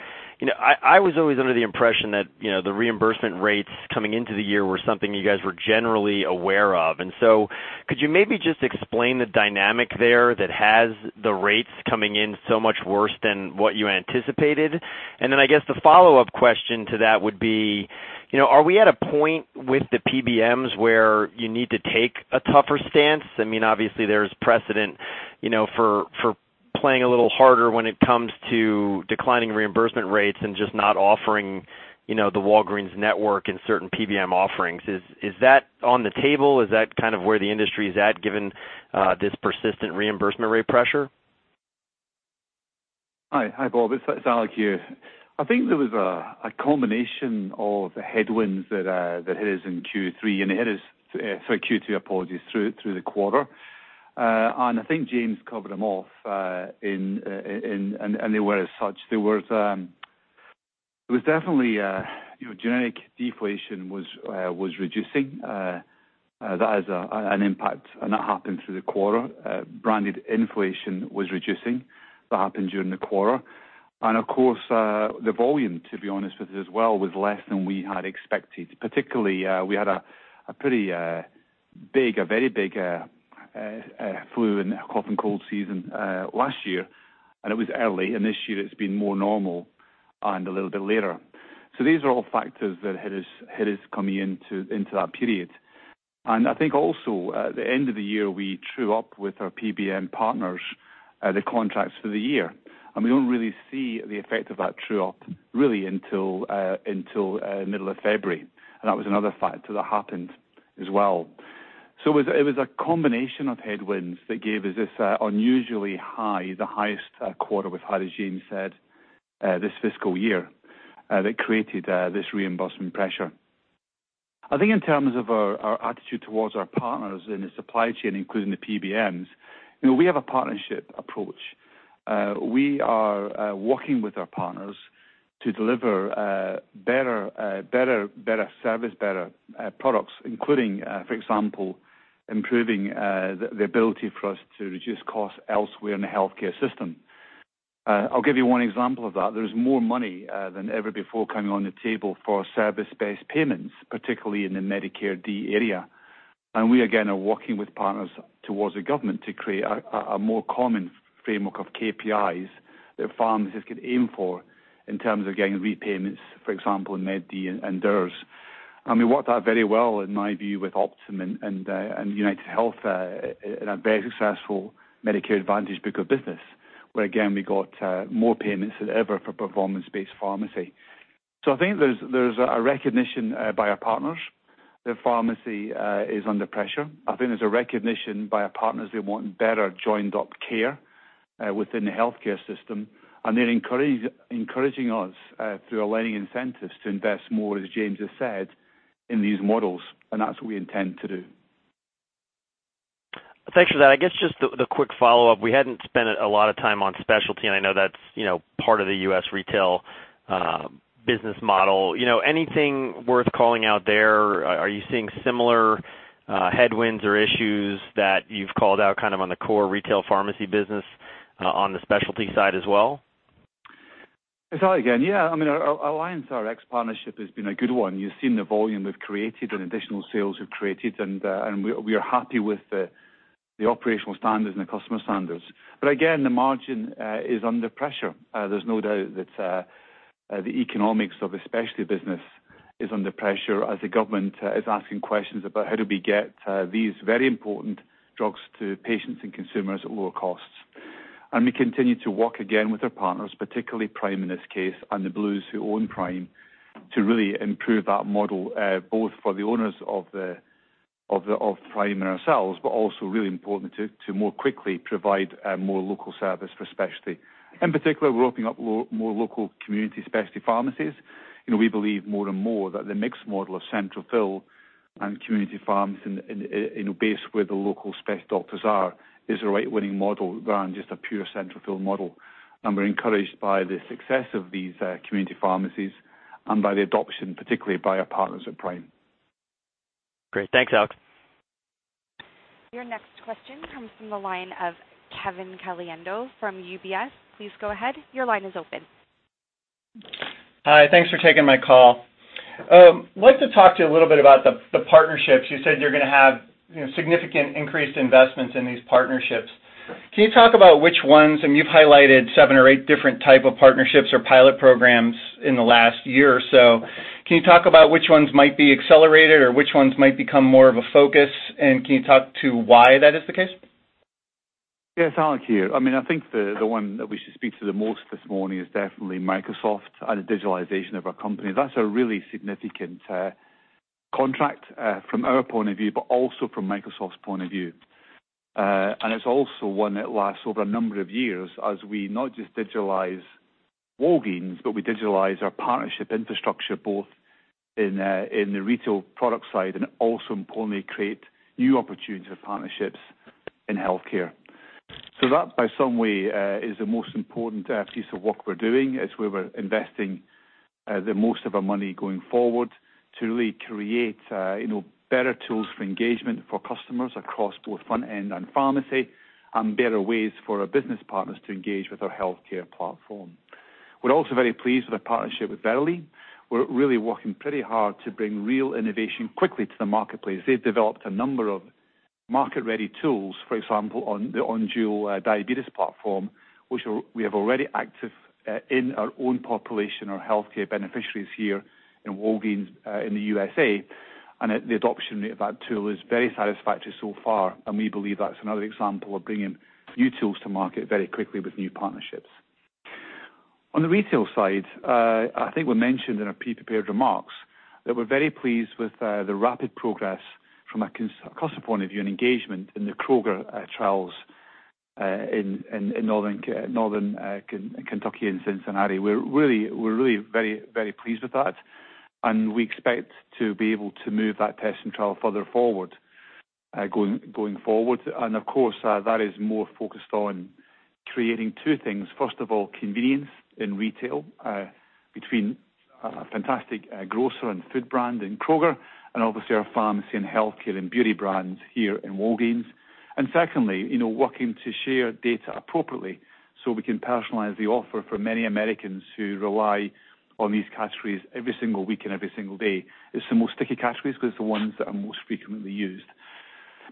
I was always under the impression that the reimbursement rates coming into the year were something you guys were generally aware of. Could you maybe just explain the dynamic there that has the rates coming in so much worse than what you anticipated? I guess the follow-up question to that would be, are we at a point with the PBMs where you need to take a tougher stance? I mean, obviously, there's precedent for playing a little harder when it comes to declining reimbursement rates and just not offering the Walgreens network and certain PBM offerings. Is that on the table? Is that kind of where the industry is at, given this persistent reimbursement rate pressure? Hi, Bob. It's Alex here. I think there was a combination of headwinds that hit us in Q3, sorry, Q2, apologies, through the quarter. I think James covered them off, and they were as such. There was definitely generic deflation was reducing. That has an impact, and that happened through the quarter. Branded inflation was reducing. That happened during the quarter. Of course, the volume, to be honest with you as well, was less than we had expected. Particularly, we had a very big flu and cough and cold season last year, and it was early. This year it's been more normal and a little bit later. These are all factors that hit us coming into that period. I think also, at the end of the year, we true up with our PBM partners, the contracts for the year. We don't really see the effect of that true-up really until middle of February. That was another factor that happened as well. It was a combination of headwinds that gave us this unusually high, the highest quarter we've had, as James said, this fiscal year, that created this reimbursement pressure. I think in terms of our attitude towards our partners in the supply chain, including the PBMs, we have a partnership approach. We are working with our partners to deliver better service, better products, including, for example, improving the ability for us to reduce costs elsewhere in the healthcare system. I'll give you one example of that. There's more money than ever before coming on the table for service-based payments, particularly in the Medicare Part D area. We, again, are working with partners towards the government to create a more common framework of KPIs that pharmacists could aim for in terms of getting repayments, for example, in Part D and DIR. We worked out very well, in my view, with Optum and UnitedHealth in a very successful Medicare Advantage book of business, where again, we got more payments than ever for performance-based pharmacy. I think there's a recognition by our partners The pharmacy is under pressure. I think there's a recognition by our partners they want better joined-up care within the healthcare system, and they're encouraging us through aligning incentives to invest more, as James has said, in these models, and that's what we intend to do. Thanks for that. I guess just the quick follow-up, we hadn't spent a lot of time on specialty, and I know that's part of the U.S. retail business model. Anything worth calling out there? Are you seeing similar headwinds or issues that you've called out kind of on the core retail pharmacy business, on the specialty side as well? It's Alex again. Yeah. Our AllianceRx partnership has been a good one. You've seen the volume we've created and additional sales we've created, and we are happy with the operational standards and the customer standards. Again, the margin is under pressure. There's no doubt that the economics of the specialty business is under pressure as the government is asking questions about how do we get these very important drugs to patients and consumers at lower costs. We continue to work again with our partners, particularly Prime in this case, and the Blues who own Prime, to really improve that model, both for the owners of Prime and ourselves, but also really important to more quickly provide a more local service for specialty. In particular, we're opening up more local community specialty pharmacies. We believe more and more that the mixed model of central fill and community pharmacy based where the local spec doctors are, is the right winning model rather than just a pure central fill model. We're encouraged by the success of these community pharmacies and by the adoption, particularly by our partners at Prime. Great. Thanks, Alex. Your next question comes from the line of Kevin Caliendo from UBS. Please go ahead. Your line is open. Hi. Thanks for taking my call. I'd like to talk to you a little bit about the partnerships. You said you're going to have significant increased investments in these partnerships. Can you talk about which ones? You've highlighted seven or eight different type of partnerships or pilot programs in the last year or so. Can you talk about which ones might be accelerated or which ones might become more of a focus, and can you talk to why that is the case? Yes. Alex here. I think the one that we should speak to the most this morning is definitely Microsoft and the digitalization of our company. That's a really significant contract from our point of view, but also from Microsoft's point of view. It's also one that lasts over a number of years as we not just digitalize Walgreens, but we digitalize our partnership infrastructure both in the retail product side and also importantly, create new opportunities for partnerships in healthcare. That by some way is the most important piece of work we're doing. It's where we're investing the most of our money going forward to really create better tools for engagement for customers across both front end and pharmacy, and better ways for our business partners to engage with our healthcare platform. We're also very pleased with our partnership with Verily. We're really working pretty hard to bring real innovation quickly to the marketplace. They've developed a number of market-ready tools, for example, on the Onduo diabetes platform, which we have already active in our own population, our healthcare beneficiaries here in Walgreens in the U.S.A. The adoption rate of that tool is very satisfactory so far, and we believe that's another example of bringing new tools to market very quickly with new partnerships. On the retail side, I think we mentioned in our pre-prepared remarks that we're very pleased with the rapid progress from a customer point of view and engagement in the Kroger trials in Northern Kentucky and Cincinnati. We're really very pleased with that, and we expect to be able to move that test and trial further forward, going forward. Of course, that is more focused on creating two things. First of all, convenience in retail, between a fantastic grocer and food brand in Kroger and obviously our pharmacy and healthcare and beauty brands here in Walgreens. Secondly, working to share data appropriately so we can personalize the offer for many Americans who rely on these categories every single week and every single day. It's the most sticky categories because it's the ones that are most frequently used.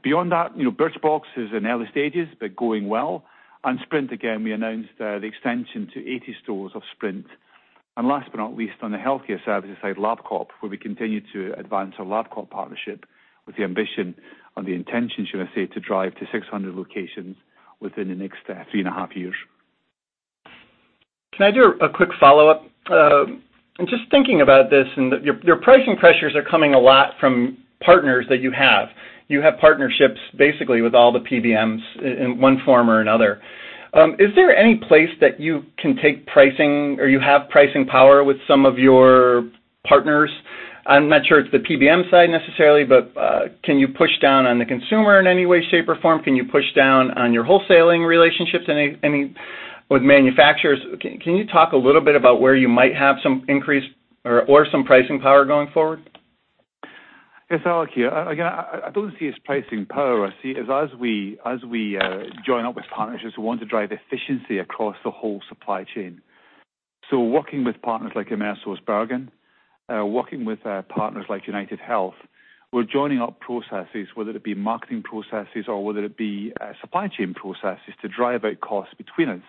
Beyond that, Birchbox is in early stages, but going well. Sprint, again, we announced the extension to 80 stores of Sprint. Last but not least, on the healthcare services side, LabCorp, where we continue to advance our LabCorp partnership with the ambition and the intention, should I say, to drive to 600 locations within the next three and a half years. Can I do a quick follow-up? I'm just thinking about this. Your pricing pressures are coming a lot from partners that you have. You have partnerships basically with all the PBMs in one form or another. Is there any place that you can take pricing or you have pricing power with some of your partners? I'm not sure it's the PBM side necessarily. Can you push down on the consumer in any way, shape, or form? Can you push down on your wholesaling relationships with manufacturers? Can you talk a little bit about where you might have some increase or some pricing power going forward? It's Alex here. Again, I don't see it as pricing power. I see it as we join up with partners who want to drive efficiency across the whole supply chain. Working with partners like AmerisourceBergen, working with partners like UnitedHealth, we're joining up processes, whether it be marketing processes or whether it be supply chain processes to drive out costs between us,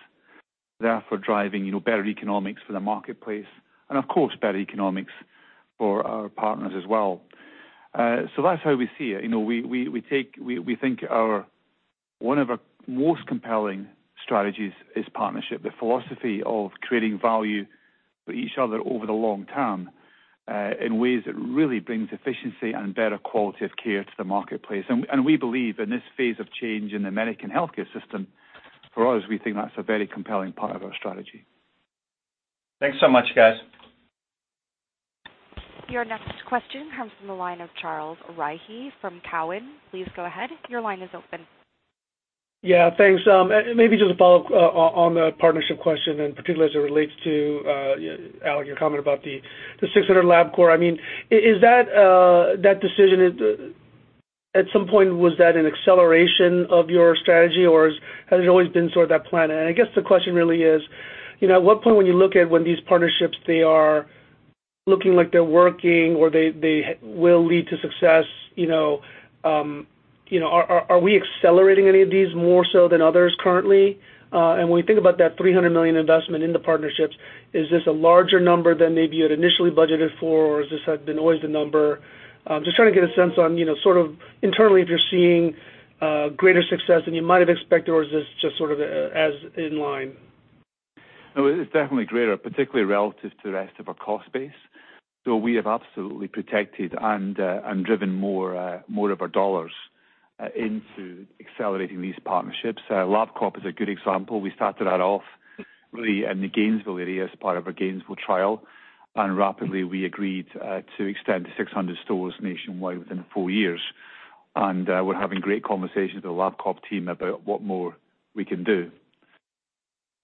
therefore driving better economics for the marketplace and of course, better economics for our partners as well. That's how we see it. We think one of our most compelling strategies is partnership, the philosophy of creating value for each other over the long term, in ways that really brings efficiency and better quality of care to the marketplace. We believe in this phase of change in the American healthcare system, for us, we think that's a very compelling part of our strategy. Thanks so much, guys. Your next question comes from the line of Charles Rhyee from Cowen. Please go ahead. Your line is open. Yeah, thanks. Maybe just a follow-up on the partnership question, particularly as it relates to, Alex, your comment about the 600 LabCorp. Is that decision, at some point, was that an acceleration of your strategy or has it always been sort of that plan? I guess the question really is, at what point when you look at when these partnerships, they are looking like they're working or they will lead to success, are we accelerating any of these more so than others currently? When we think about that $300 million investment in the partnerships, is this a larger number than maybe you had initially budgeted for or has this had been always the number? Just trying to get a sense on internally if you're seeing greater success than you might have expected or is this just sort of as in line? No, it's definitely greater, particularly relative to the rest of our cost base. We have absolutely protected and driven more of our dollars into accelerating these partnerships. LabCorp is a good example. We started that off really in the Gainesville area as part of our Gainesville trial, and rapidly we agreed to extend to 600 stores nationwide within four years. We're having great conversations with the LabCorp team about what more we can do.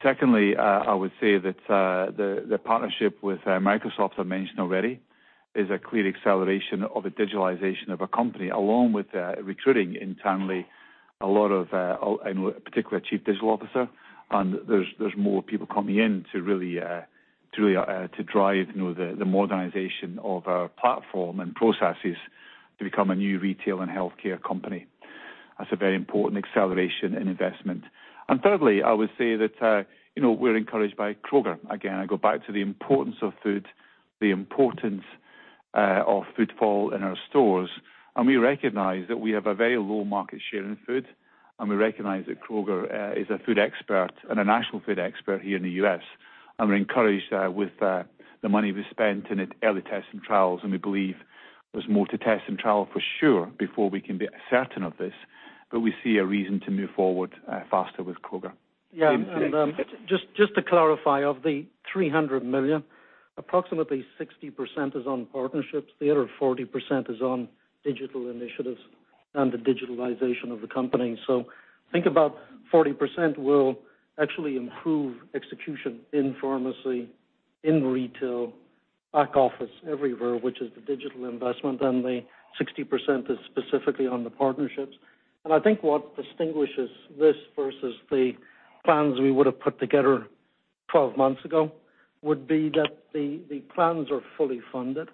Secondly, I would say that the partnership with Microsoft I mentioned already is a clear acceleration of the digitalization of a company, along with recruiting internally a lot of, in particular, a chief digital officer. There's more people coming in to really drive the modernization of our platform and processes to become a new retail and healthcare company. That's a very important acceleration in investment. Thirdly, I would say that we're encouraged by Kroger. Again, I go back to the importance of food, the importance of footfall in our stores, and we recognize that we have a very low market share in food, and we recognize that Kroger is a food expert and a national food expert here in the U.S. We're encouraged with the money we spent in early tests and trials, and we believe there's more to test and trial for sure before we can be certain of this, but we see a reason to move forward faster with Kroger. Yeah. Just to clarify, of the $300 million, approximately 60% is on partnerships. The other 40% is on digital initiatives and the digitalization of the company. Think about 40% will actually improve execution in pharmacy, in retail, back office, everywhere, which is the digital investment, and the 60% is specifically on the partnerships. I think what distinguishes this versus the plans we would have put together 12 months ago would be that the plans are fully funded.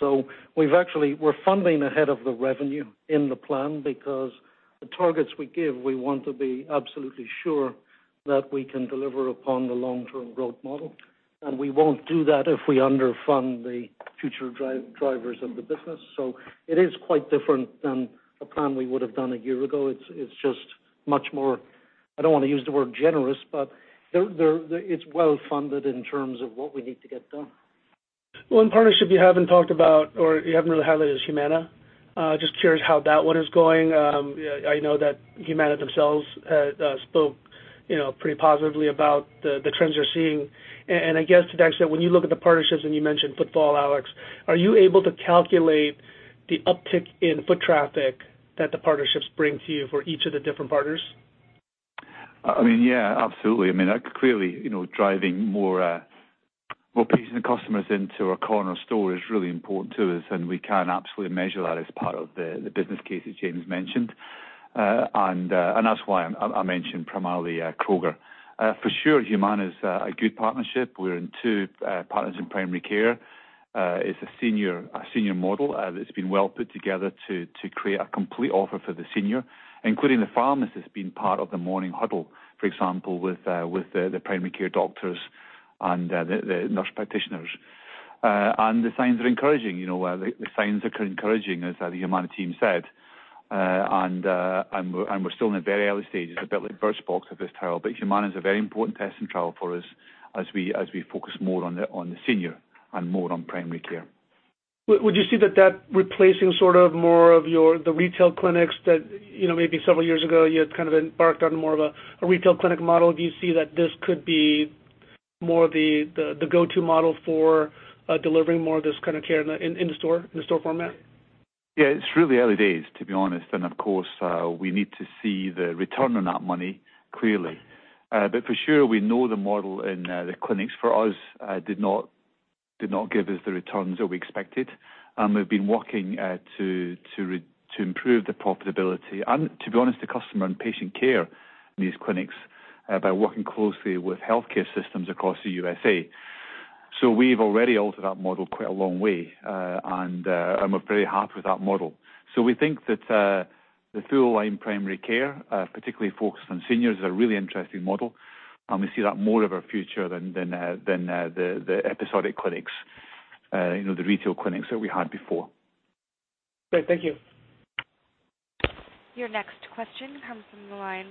We're funding ahead of the revenue in the plan because the targets we give, we want to be absolutely sure that we can deliver upon the long-term growth model. We won't do that if we underfund the future drivers of the business. It is quite different than a plan we would have done a year ago. It's just much more, I don't want to use the word generous, but it's well-funded in terms of what we need to get done. One partnership you haven't talked about, or you haven't really highlighted, is Humana. Just curious how that one is going. I know that Humana themselves spoke pretty positively about the trends they're seeing. I guess to the extent when you look at the partnerships and you mentioned footfall, Alex, are you able to calculate the uptick in foot traffic that the partnerships bring to you for each of the different partners? Yeah, absolutely. Clearly, driving more patients and customers into our corner store is really important to us, and we can absolutely measure that as part of the business case that James mentioned. That's why I mentioned primarily Kroger. For sure, Humana is a good partnership. We're in two partners in primary care. It's a senior model that's been well put together to create a complete offer for the senior, including the pharmacist being part of the morning huddle, for example, with the primary care doctors and the nurse practitioners. The signs are encouraging. The signs are encouraging, as the Humana team said. We're still in the very early stages, a bit like Birchbox at this trial. Humana is a very important test and trial for us as we focus more on the senior and more on primary care. Would you see that that replacing sort of more of the retail clinics that maybe several years ago you had kind of embarked on more of a retail clinic model? Do you see that this could be more the go-to model for delivering more of this kind of care in the store format? Yeah, it's really early days, to be honest. Of course, we need to see the return on that money, clearly. For sure, we know the model in the clinics for us did not give us the returns that we expected. We've been working to improve the profitability and, to be honest, the customer and patient care in these clinics by working closely with healthcare systems across the USA. We've already altered that model quite a long way, and we're very happy with that model. We think that the through-line primary care, particularly focused on seniors, is a really interesting model. We see that more of our future than the episodic clinics The retail clinics that we had before. Great. Thank you. Your next question comes from the line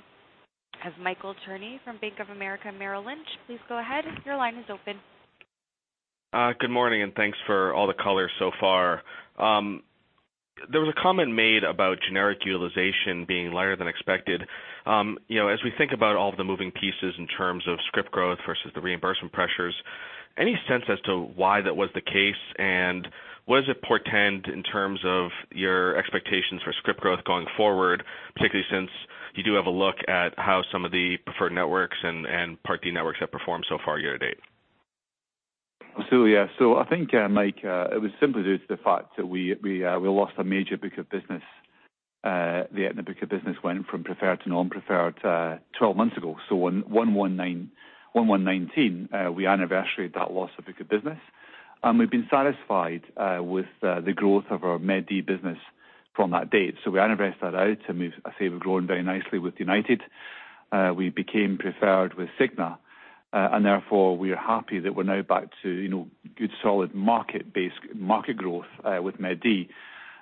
of Michael Cherny from Bank of America Merrill Lynch. Please go ahead. Your line is open. Good morning. Thanks for all the color so far. There was a comment made about generic utilization being lighter than expected. As we think about all of the moving pieces in terms of script growth versus the reimbursement pressures, any sense as to why that was the case, and what does it portend in terms of your expectations for script growth going forward, particularly since you do have a look at how some of the preferred networks and Part D networks have performed so far year-to-date? Absolutely. I think, Mike, it was simply due to the fact that we lost a major book of business. The Aetna book of business went from preferred to non-preferred 12 months ago. In 1/1/2019, we anniversaried that loss of book of business. We've been satisfied with the growth of our Part D business from that date. We anniversaried that out. We've grown very nicely with United. We became preferred with Cigna. Therefore, we are happy that we're now back to good solid market growth with Part D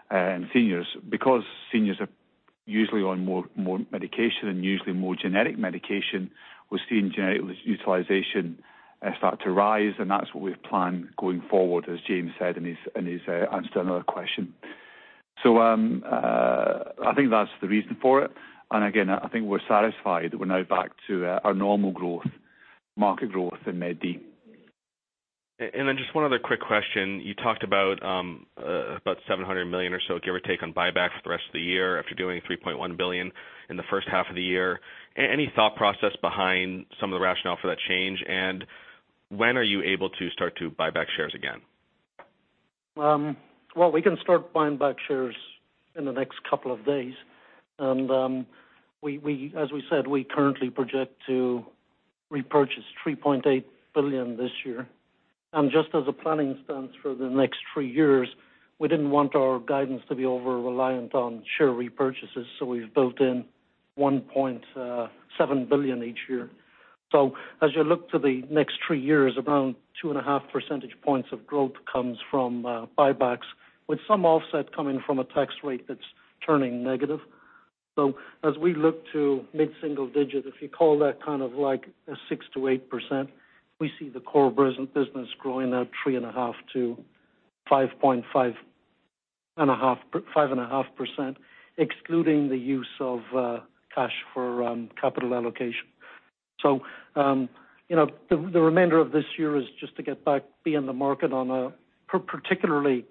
and seniors. Because seniors are usually on more medication and usually more generic medication, we're seeing generic utilization start to rise, and that's what we've planned going forward, as James said in his answer to another question. I think that's the reason for it. Again, I think we're satisfied that we're now back to our normal growth, market growth in Part D. Just one other quick question. You talked about $700 million or so, give or take, on buybacks for the rest of the year after doing $3.1 billion in the first half of the year. Any thought process behind some of the rationale for that change, and when are you able to start to buy back shares again? Well, as we said, we currently project to repurchase $3.8 billion this year. Just as a planning stance for the next 3 years, we didn't want our guidance to be over-reliant on share repurchases, so we've built in $1.7 billion each year. As you look to the next 3 years, around 2.5 percentage points of growth comes from buybacks, with some offset coming from a tax rate that's turning negative. As we look to mid-single digit, if you call that kind of like a 6%-8%, we see the core business growing at 3.5%-5.5%, excluding the use of cash for capital allocation. The remainder of this year is just to get back be in the market on a particularly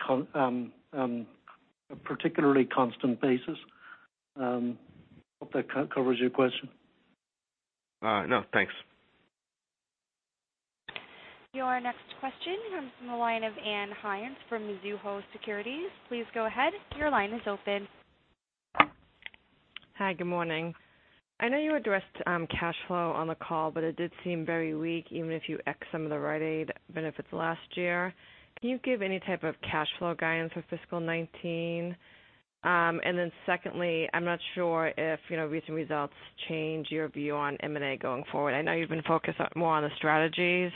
constant basis. Hope that covers your question. No, thanks. Your next question comes from the line of Ann Hynes from Mizuho Securities. Please go ahead. Your line is open. Hi, good morning. I know you addressed cash flow on the call, it did seem very weak, even if you X some of the Rite Aid benefits last year. Can you give any type of cash flow guidance for fiscal 2019? Secondly, I'm not sure if recent results change your view on M&A going forward. I know you've been focused more on the strategies,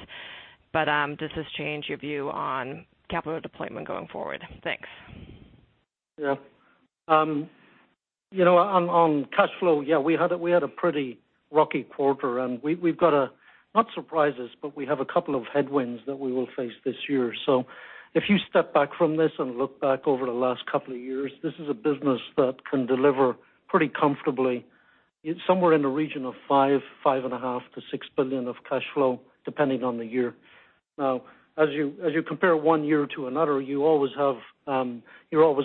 does this change your view on capital deployment going forward? Thanks. On cash flow, we had a pretty rocky quarter, and we have a couple of headwinds that we will face this year. If you step back from this and look back over the last couple of years, this is a business that can deliver pretty comfortably somewhere in the region of $5 billion, $5.5 billion to $6 billion of cash flow, depending on the year. As you compare one year to another, you're always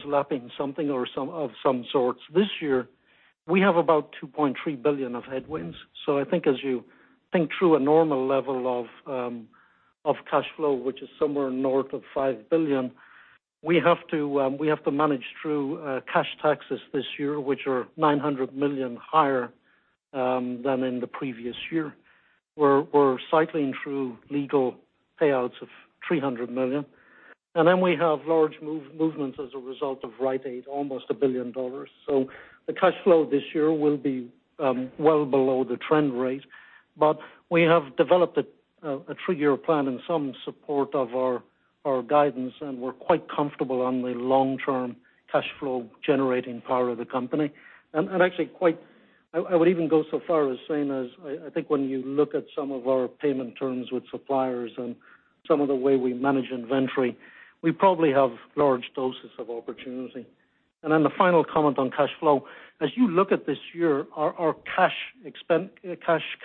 lapping something of some sorts. This year, we have about $2.3 billion of headwinds. I think as you think through a normal level of cash flow, which is somewhere north of $5 billion, we have to manage through cash taxes this year, which are $900 million higher than in the previous year. We're cycling through legal payouts of $300 million. We have large movements as a result of Rite Aid, almost $1 billion. The cash flow this year will be well below the trend rate. We have developed a three-year plan in some support of our guidance, and we're quite comfortable on the long-term cash flow generating power of the company. Actually, I would even go so far as saying as I think when you look at some of our payment terms with suppliers and some of the way we manage inventory, we probably have large doses of opportunity. The final comment on cash flow. As you look at this year, our cash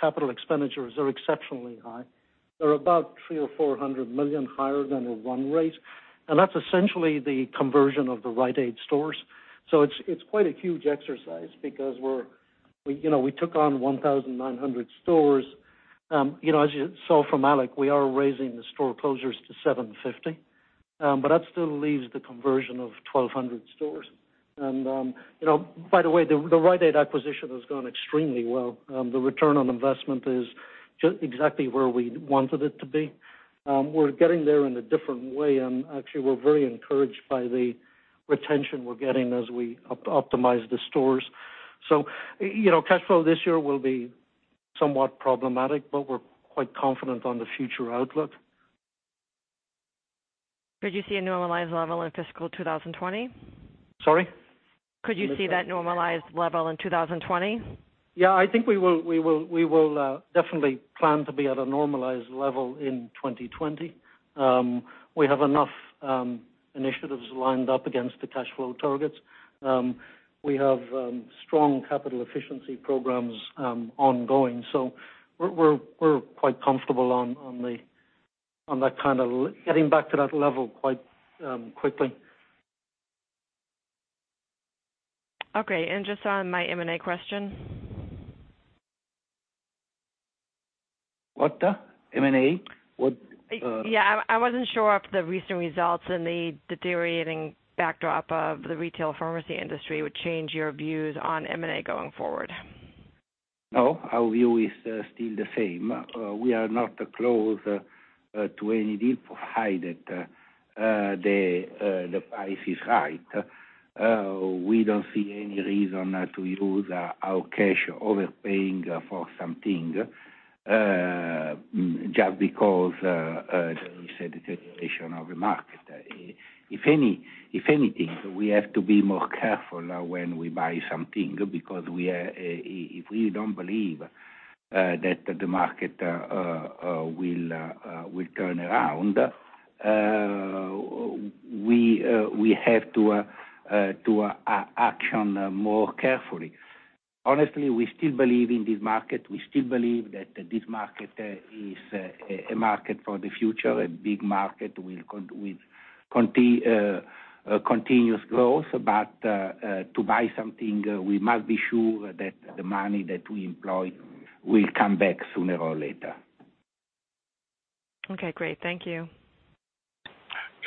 capital expenditures are exceptionally high. They're about $300 million or $400 million higher than the run rate. That's essentially the conversion of the Rite Aid stores. It's quite a huge exercise because we took on 1,900 stores. As you saw from Alex, we are raising the store closures to 750. That still leaves the conversion of 1,200 stores. By the way, the Rite Aid acquisition has gone extremely well. The return on investment is exactly where we wanted it to be. We're getting there in a different way, and actually, we're very encouraged by the retention we're getting as we optimize the stores. Cash flow this year will be Somewhat problematic, we're quite confident on the future outlook. Could you see a normalized level in fiscal 2020? Sorry? Could you see that normalized level in 2020? Yeah, I think we will definitely plan to be at a normalized level in 2020. We have enough initiatives lined up against the cash flow targets. We have strong capital efficiency programs ongoing, we're quite comfortable on getting back to that level quite quickly. Okay, just on my M&A question. What? M&A? Yeah, I wasn't sure if the recent results and the deteriorating backdrop of the retail pharmacy industry would change your views on M&A going forward. No, our view is still the same. We are not close to any deal, provided the price is right. We don't see any reason to use our cash overpaying for something, just because there is a deterioration of the market. If anything, we have to be more careful when we buy something because if we don't believe that the market will turn around, we have to action more carefully. Honestly, we still believe in this market. We still believe that this market is a market for the future, a big market with continuous growth. To buy something, we must be sure that the money that we employ will come back sooner or later. Okay, great. Thank you.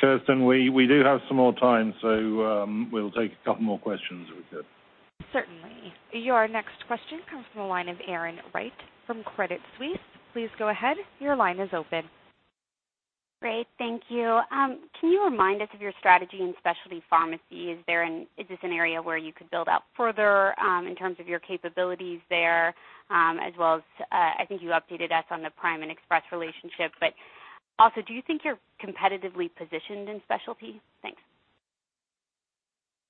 Kirsten, we do have some more time, so we'll take a couple more questions if we could. Certainly. Your next question comes from the line of Erin Wright from Credit Suisse. Please go ahead. Your line is open. Great. Thank you. Can you remind us of your strategy in specialty pharmacy? Is this an area where you could build out further in terms of your capabilities there, as well as, I think you updated us on the Prime and Express relationship, but also, do you think you're competitively positioned in specialty?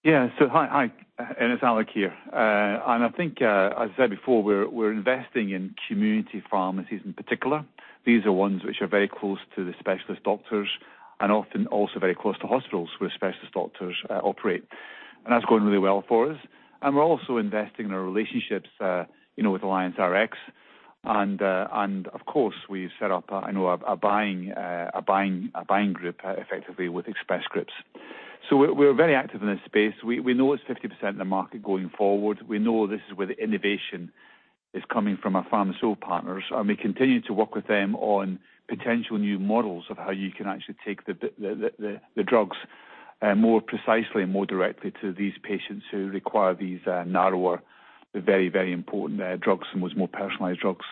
Thanks. Yeah. Hi. It's Alex here. I think, as I said before, we're investing in community pharmacies in particular. These are ones which are very close to the specialist doctors and often also very close to hospitals where specialist doctors operate. That's going really well for us. We're also investing in our relationships with AllianceRx. Of course, we've set up a buying group effectively with Express Scripts. We're very active in this space. We know it's 50% of the market going forward. We know this is where the innovation is coming from our pharma sole partners, and we continue to work with them on potential new models of how you can actually take the drugs more precisely and more directly to these patients who require these narrower, very important drugs and much more personalized drugs.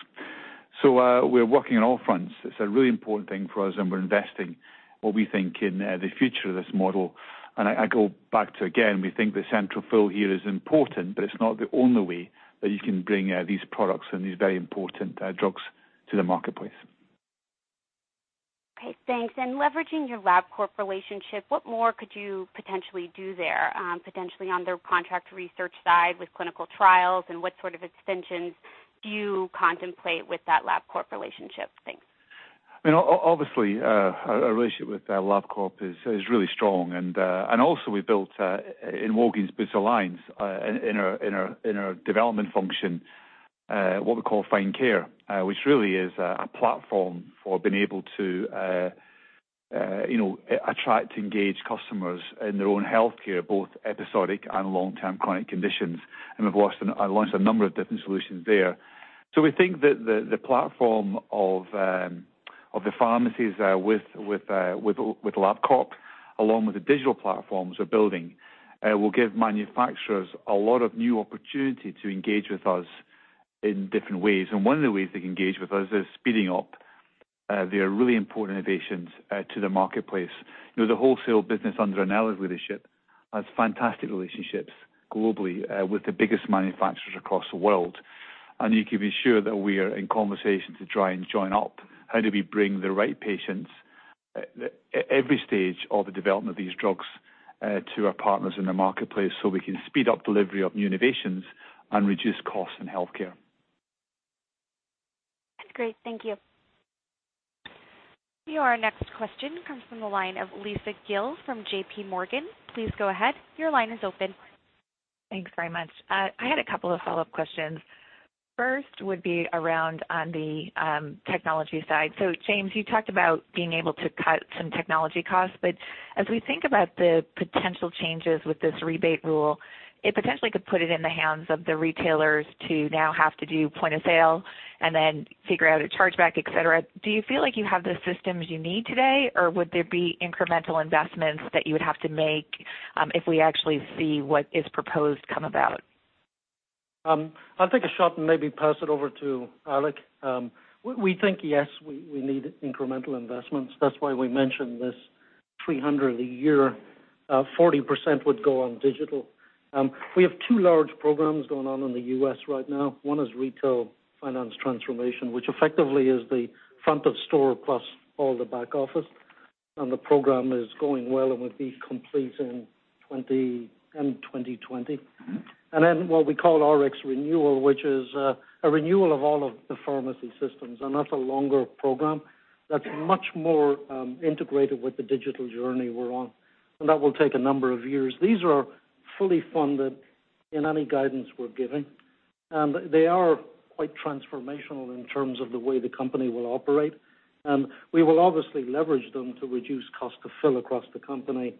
We're working on all fronts. It's a really important thing for us, and we're investing what we think in the future of this model. I go back to, again, we think the central fill here is important, it's not the only way that you can bring these products and these very important drugs to the marketplace. Okay, thanks. Leveraging your LabCorp relationship, what more could you potentially do there, potentially on their contract research side with clinical trials, and what sort of extensions do you contemplate with that LabCorp relationship? Thanks. Obviously, our relationship with LabCorp is really strong. Also we built in Walgreens Boots Alliance, in our development function, what we call Find Care, which really is a platform for being able to attract, engage customers in their own healthcare, both episodic and long-term chronic conditions. We've launched a number of different solutions there. We think that the platform of the pharmacies with LabCorp, along with the digital platforms we're building, will give manufacturers a lot of new opportunity to engage with us in different ways. One of the ways they can engage with us is speeding up their really important innovations to the marketplace. The wholesale business under Ornella's leadership has fantastic relationships globally with the biggest manufacturers across the world. You can be sure that we are in conversation to try and join up. How do we bring the right patients at every stage of the development of these drugs to our partners in the marketplace so we can speed up delivery of new innovations and reduce costs in healthcare. Great. Thank you. Your next question comes from the line of Lisa Gill from JP Morgan. Please go ahead. Your line is open. Thanks very much. I had a couple of follow-up questions. First would be around on the technology side. James, you talked about being able to cut some technology costs, but as we think about the potential changes with this rebate rule, it potentially could put it in the hands of the retailers to now have to do point of sale and then figure out a chargeback, et cetera. Do you feel like you have the systems you need today, or would there be incremental investments that you would have to make if we actually see what is proposed come about? I'll take a shot and maybe pass it over to Alex. We think, yes, we need incremental investments. That's why we mentioned this $300 a year, 40% would go on digital. We have two large programs going on in the U.S. right now. One is retail finance transformation, which effectively is the front of store plus all the back office. The program is going well and would be complete in 2020. Then what we call Rx renewal, which is a renewal of all of the pharmacy systems. That's a longer program that's much more integrated with the digital journey we're on. That will take a number of years. These are fully funded in any guidance we're giving. They are quite transformational in terms of the way the company will operate. We will obviously leverage them to reduce cost to fill across the company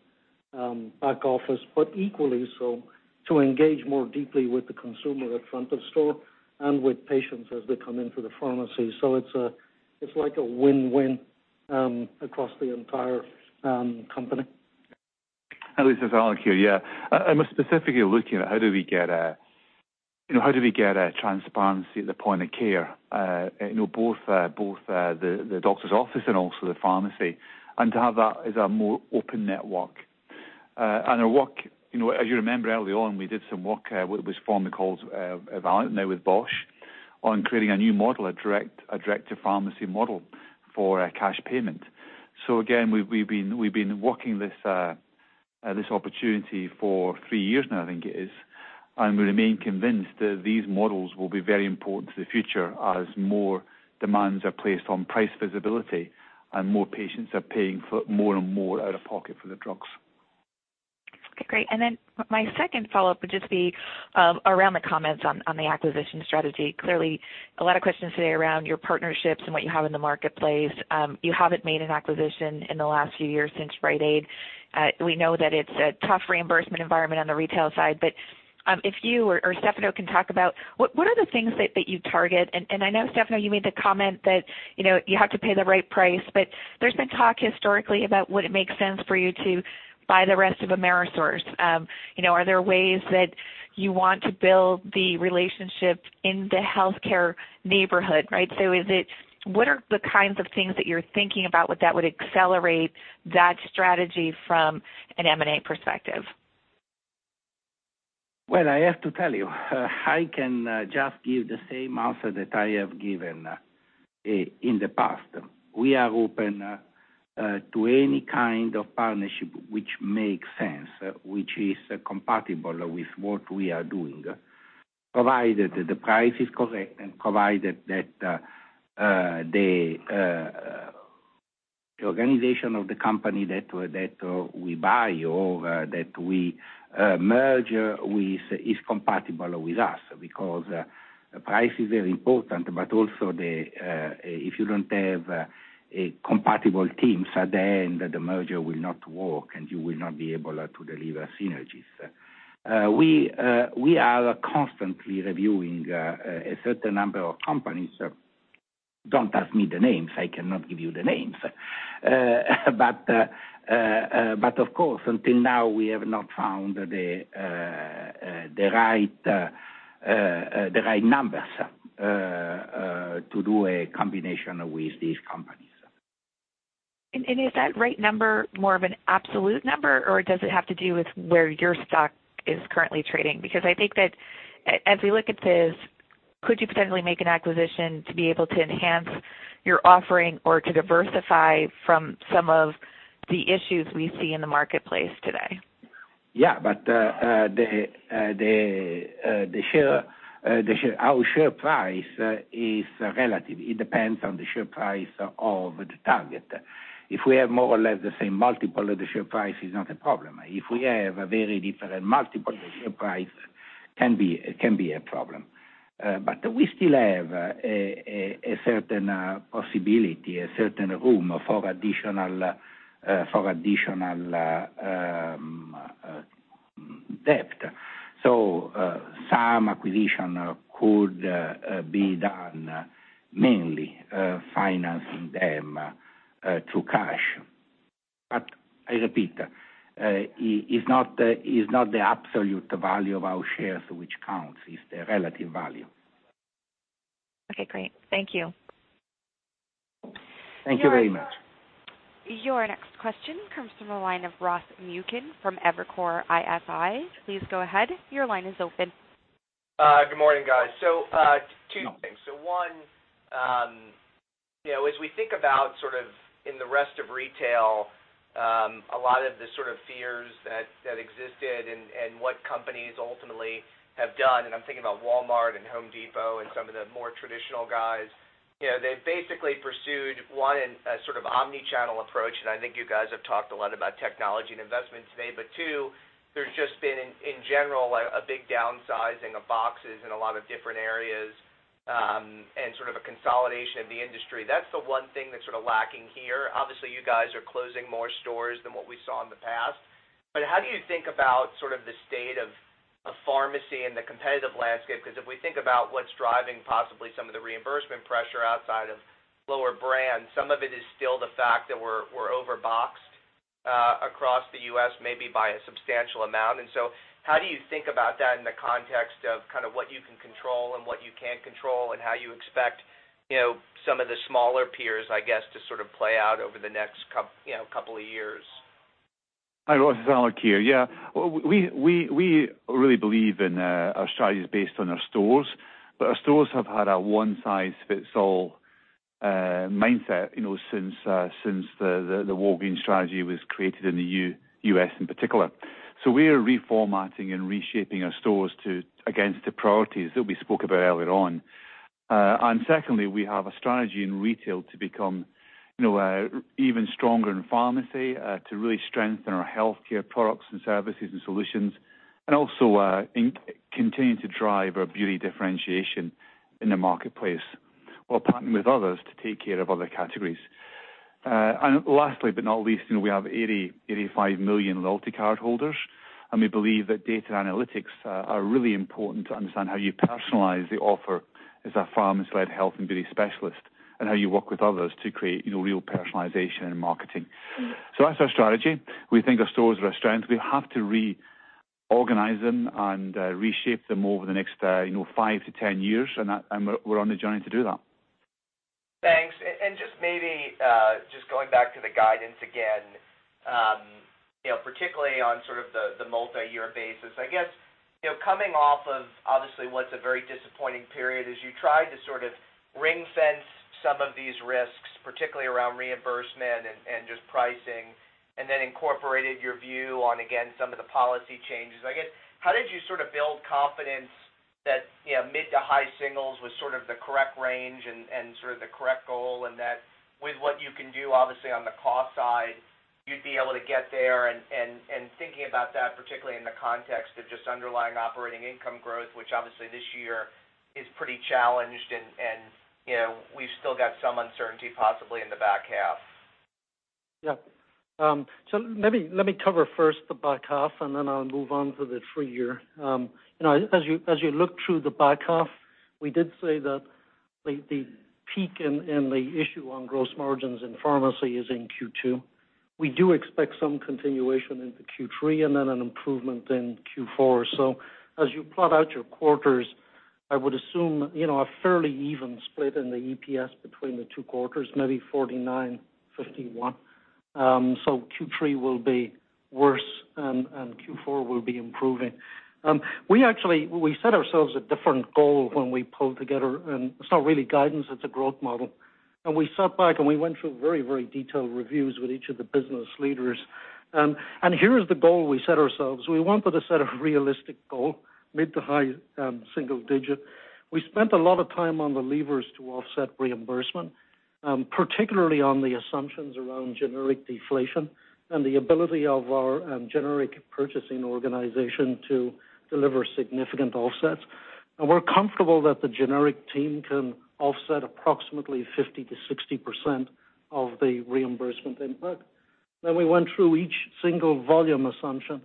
back office, but equally so to engage more deeply with the consumer at front of store and with patients as they come into the pharmacy. It's like a win-win across the entire company. Lisa, it's Alex here, yeah. I'm specifically looking at how do we get transparency at the point of care, both the doctor's office and also the pharmacy, and to have that as a more open network. Our work, as you remember early on, we did some work, it was formerly called Valeant, now with Bausch, on creating a new model, a direct-to-pharmacy model for cash payment. Again, we've been working this opportunity for three years now, I think it is, and we remain convinced that these models will be very important to the future as more demands are placed on price visibility and more patients are paying more and more out of pocket for the drugs. Okay, great. My second follow-up would just be around the comments on the acquisition strategy. Clearly, a lot of questions today around your partnerships and what you have in the marketplace. You haven't made an acquisition in the last few years since Rite Aid. We know that it's a tough reimbursement environment on the retail side. If you or Stefano can talk about, what are the things that you target? I know, Stefano, you made the comment that you have to pay the right price, but there's been talk historically about would it make sense for you to buy the rest of Amerisource. Are there ways that you want to build the relationship in the healthcare neighborhood, right? What are the kinds of things that you're thinking about that would accelerate that strategy from an M&A perspective? Well, I have to tell you, I can just give the same answer that I have given in the past. We are open to any kind of partnership which makes sense, which is compatible with what we are doing, provided that the price is correct and provided that the organization of the company that we buy or that we merge with is compatible with us. Price is very important, but also, if you don't have a compatible team, the merger will not work, and you will not be able to deliver synergies. We are constantly reviewing a certain number of companies. Don't ask me the names. I cannot give you the names. Of course, until now, we have not found the right numbers to do a combination with these companies. Is that right number more of an absolute number, or does it have to do with where your stock is currently trading? I think that as we look at this, could you potentially make an acquisition to be able to enhance your offering or to diversify from some of the issues we see in the marketplace today? Yeah. Our share price is relative. It depends on the share price of the target. If we have more or less the same multiple of the share price, it's not a problem. If we have a very different multiple of the share price, it can be a problem. We still have a certain possibility, a certain room for additional debt. Some acquisition could be done, mainly financing them through cash. I repeat, it's not the absolute value of our shares which counts. It's the relative value. Okay, great. Thank you. Thank you very much. Your next question comes from the line of Ross Muken from Evercore ISI. Please go ahead. Your line is open. Good morning, guys. Two things. One, as we think about sort of in the rest of retail, a lot of the sort of fears that existed and what companies ultimately have done, and I'm thinking about Walmart and Home Depot and some of the more traditional guys. They've basically pursued, one, a sort of omnichannel approach, and I think you guys have talked a lot about technology and investment today. Two, there's just been, in general, a big downsizing of boxes in a lot of different areas and sort of a consolidation of the industry. That's the one thing that's sort of lacking here. Obviously, you guys are closing more stores than what we saw in the past, but how do you think about sort of the state of pharmacy and the competitive landscape? Because if we think about what's driving possibly some of the reimbursement pressure outside of lower brands, some of it is still the fact that we're over-boxed across the U.S., maybe by a substantial amount. How do you think about that in the context of kind of what you can control and what you can't control and how you expect Some of the smaller peers, I guess, to sort of play out over the next couple of years. Hi, Ross. It's Alex here. We really believe in our strategies based on our stores. Our stores have had a one-size-fits-all mindset, since the Walgreens strategy was created in the U.S. in particular. We are reformatting and reshaping our stores against the priorities that we spoke about earlier on. Secondly, we have a strategy in retail to become even stronger in pharmacy, to really strengthen our healthcare products and services and solutions, and also, in continuing to drive our beauty differentiation in the marketplace, while partnering with others to take care of other categories. Lastly, but not least, we have 85 million loyalty cardholders, and we believe that data analytics are really important to understand how you personalize the offer as a pharmacy and health and beauty specialist, and how you work with others to create real personalization in marketing. That's our strategy. We think our stores are a strength. We have to reorganize them and reshape them over the next five to 10 years, and we're on the journey to do that. Thanks. Just maybe, just going back to the guidance again, particularly on sort of the multi-year basis. I guess, coming off of obviously what's a very disappointing period as you tried to sort of ring-fence some of these risks, particularly around reimbursement and just pricing, and then incorporated your view on, again, some of the policy changes. I guess, how did you sort of build confidence that mid to high singles was sort of the correct range and sort of the correct goal, and that with what you can do, obviously, on the cost side, you'd be able to get there and thinking about that, particularly in the context of just underlying operating income growth, which obviously this year is pretty challenged, and we've still got some uncertainty possibly in the back half? Let me cover first the back half, and then I'll move on to the full year. As you look through the back half, we did say that the peak in the issue on gross margins in pharmacy is in Q2. We do expect some continuation into Q3 and then an improvement in Q4. As you plot out your quarters, I would assume a fairly even split in the EPS between the two quarters, maybe 49, 51. Q3 will be worse, and Q4 will be improving. We set ourselves a different goal when we pulled together, and it's not really guidance, it's a growth model. We sat back, and we went through very detailed reviews with each of the business leaders. Here is the goal we set ourselves. We wanted to set a realistic goal, mid to high single digit. We spent a lot of time on the levers to offset reimbursement, particularly on the assumptions around generic deflation and the ability of our generic purchasing organization to deliver significant offsets. We're comfortable that the generic team can offset approximately 50%-60% of the reimbursement input. We went through each single volume assumption,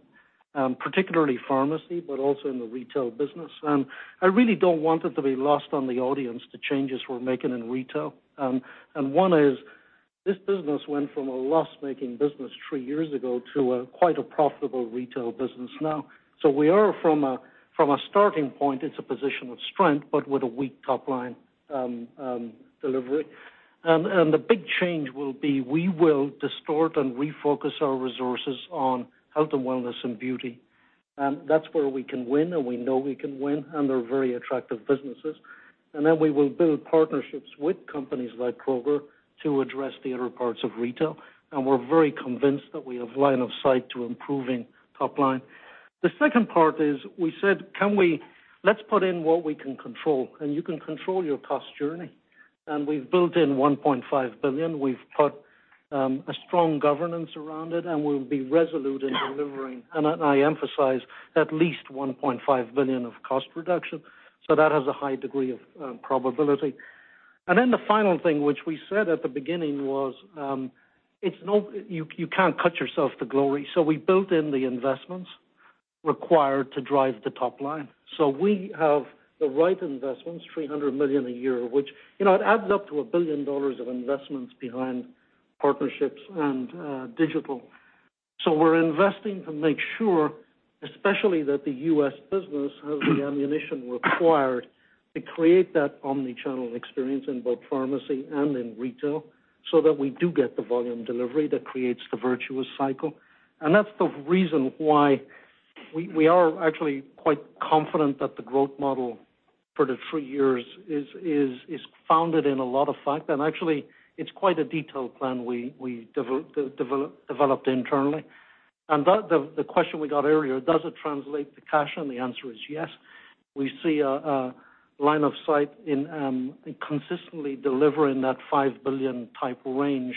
particularly pharmacy, but also in the retail business. I really don't want it to be lost on the audience, the changes we're making in retail. One is this business went from a loss-making business three years ago to quite a profitable retail business now. We are from a starting point, it's a position of strength, but with a weak top-line delivery. The big change will be we will distort and refocus our resources on health and wellness and beauty. That's where we can win, we know we can win, and they're very attractive businesses. Then we will build partnerships with companies like Kroger to address the other parts of retail. We're very convinced that we have line of sight to improving top line. The second part is we said, "Let's put in what we can control," you can control your cost journey. We've built in $1.5 billion. We've put a strong governance around it, we'll be resolute in delivering, I emphasize, at least $1.5 billion of cost reduction. That has a high degree of probability. Then the final thing, which we said at the beginning, was you can't cut yourself to glory. We built in the investments required to drive the top line. We have the right investments, $300 million a year, which, it adds up to $1 billion of investments behind partnerships and digital. We're investing to make sure, especially that the U.S. business has the ammunition required to create that omni-channel experience in both pharmacy and in retail, so that we do get the volume delivery that creates the virtuous cycle. That's the reason why we are actually quite confident that the growth model for the three years is founded in a lot of fact, actually, it's quite a detailed plan we developed internally. The question we got earlier, does it translate to cash? The answer is yes. We see a line of sight in consistently delivering that $5 billion type range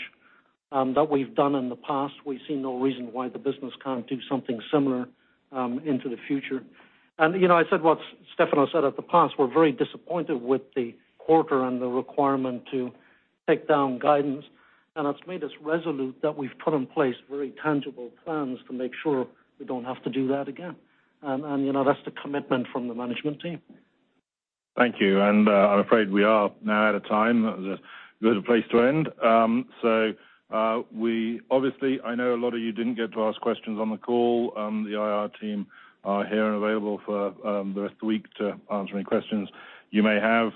that we've done in the past. We see no reason why the business can't do something similar into the future. I said what Stefano Pessina said in the past. We're very disappointed with the quarter and the requirement to take down guidance. It's made us resolute that we've put in place very tangible plans to make sure we don't have to do that again. That's the commitment from the management team. Thank you. I'm afraid we are now out of time. That was a good place to end. Obviously, I know a lot of you didn't get to ask questions on the call. The IR team are here and available for the rest of the week to answer any questions you may have.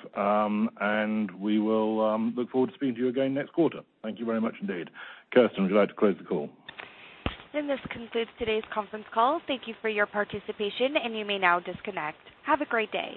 We will look forward to speaking to you again next quarter. Thank you very much indeed. Kirsten, would you like to close the call? This concludes today's conference call. Thank you for your participation, and you may now disconnect. Have a great day.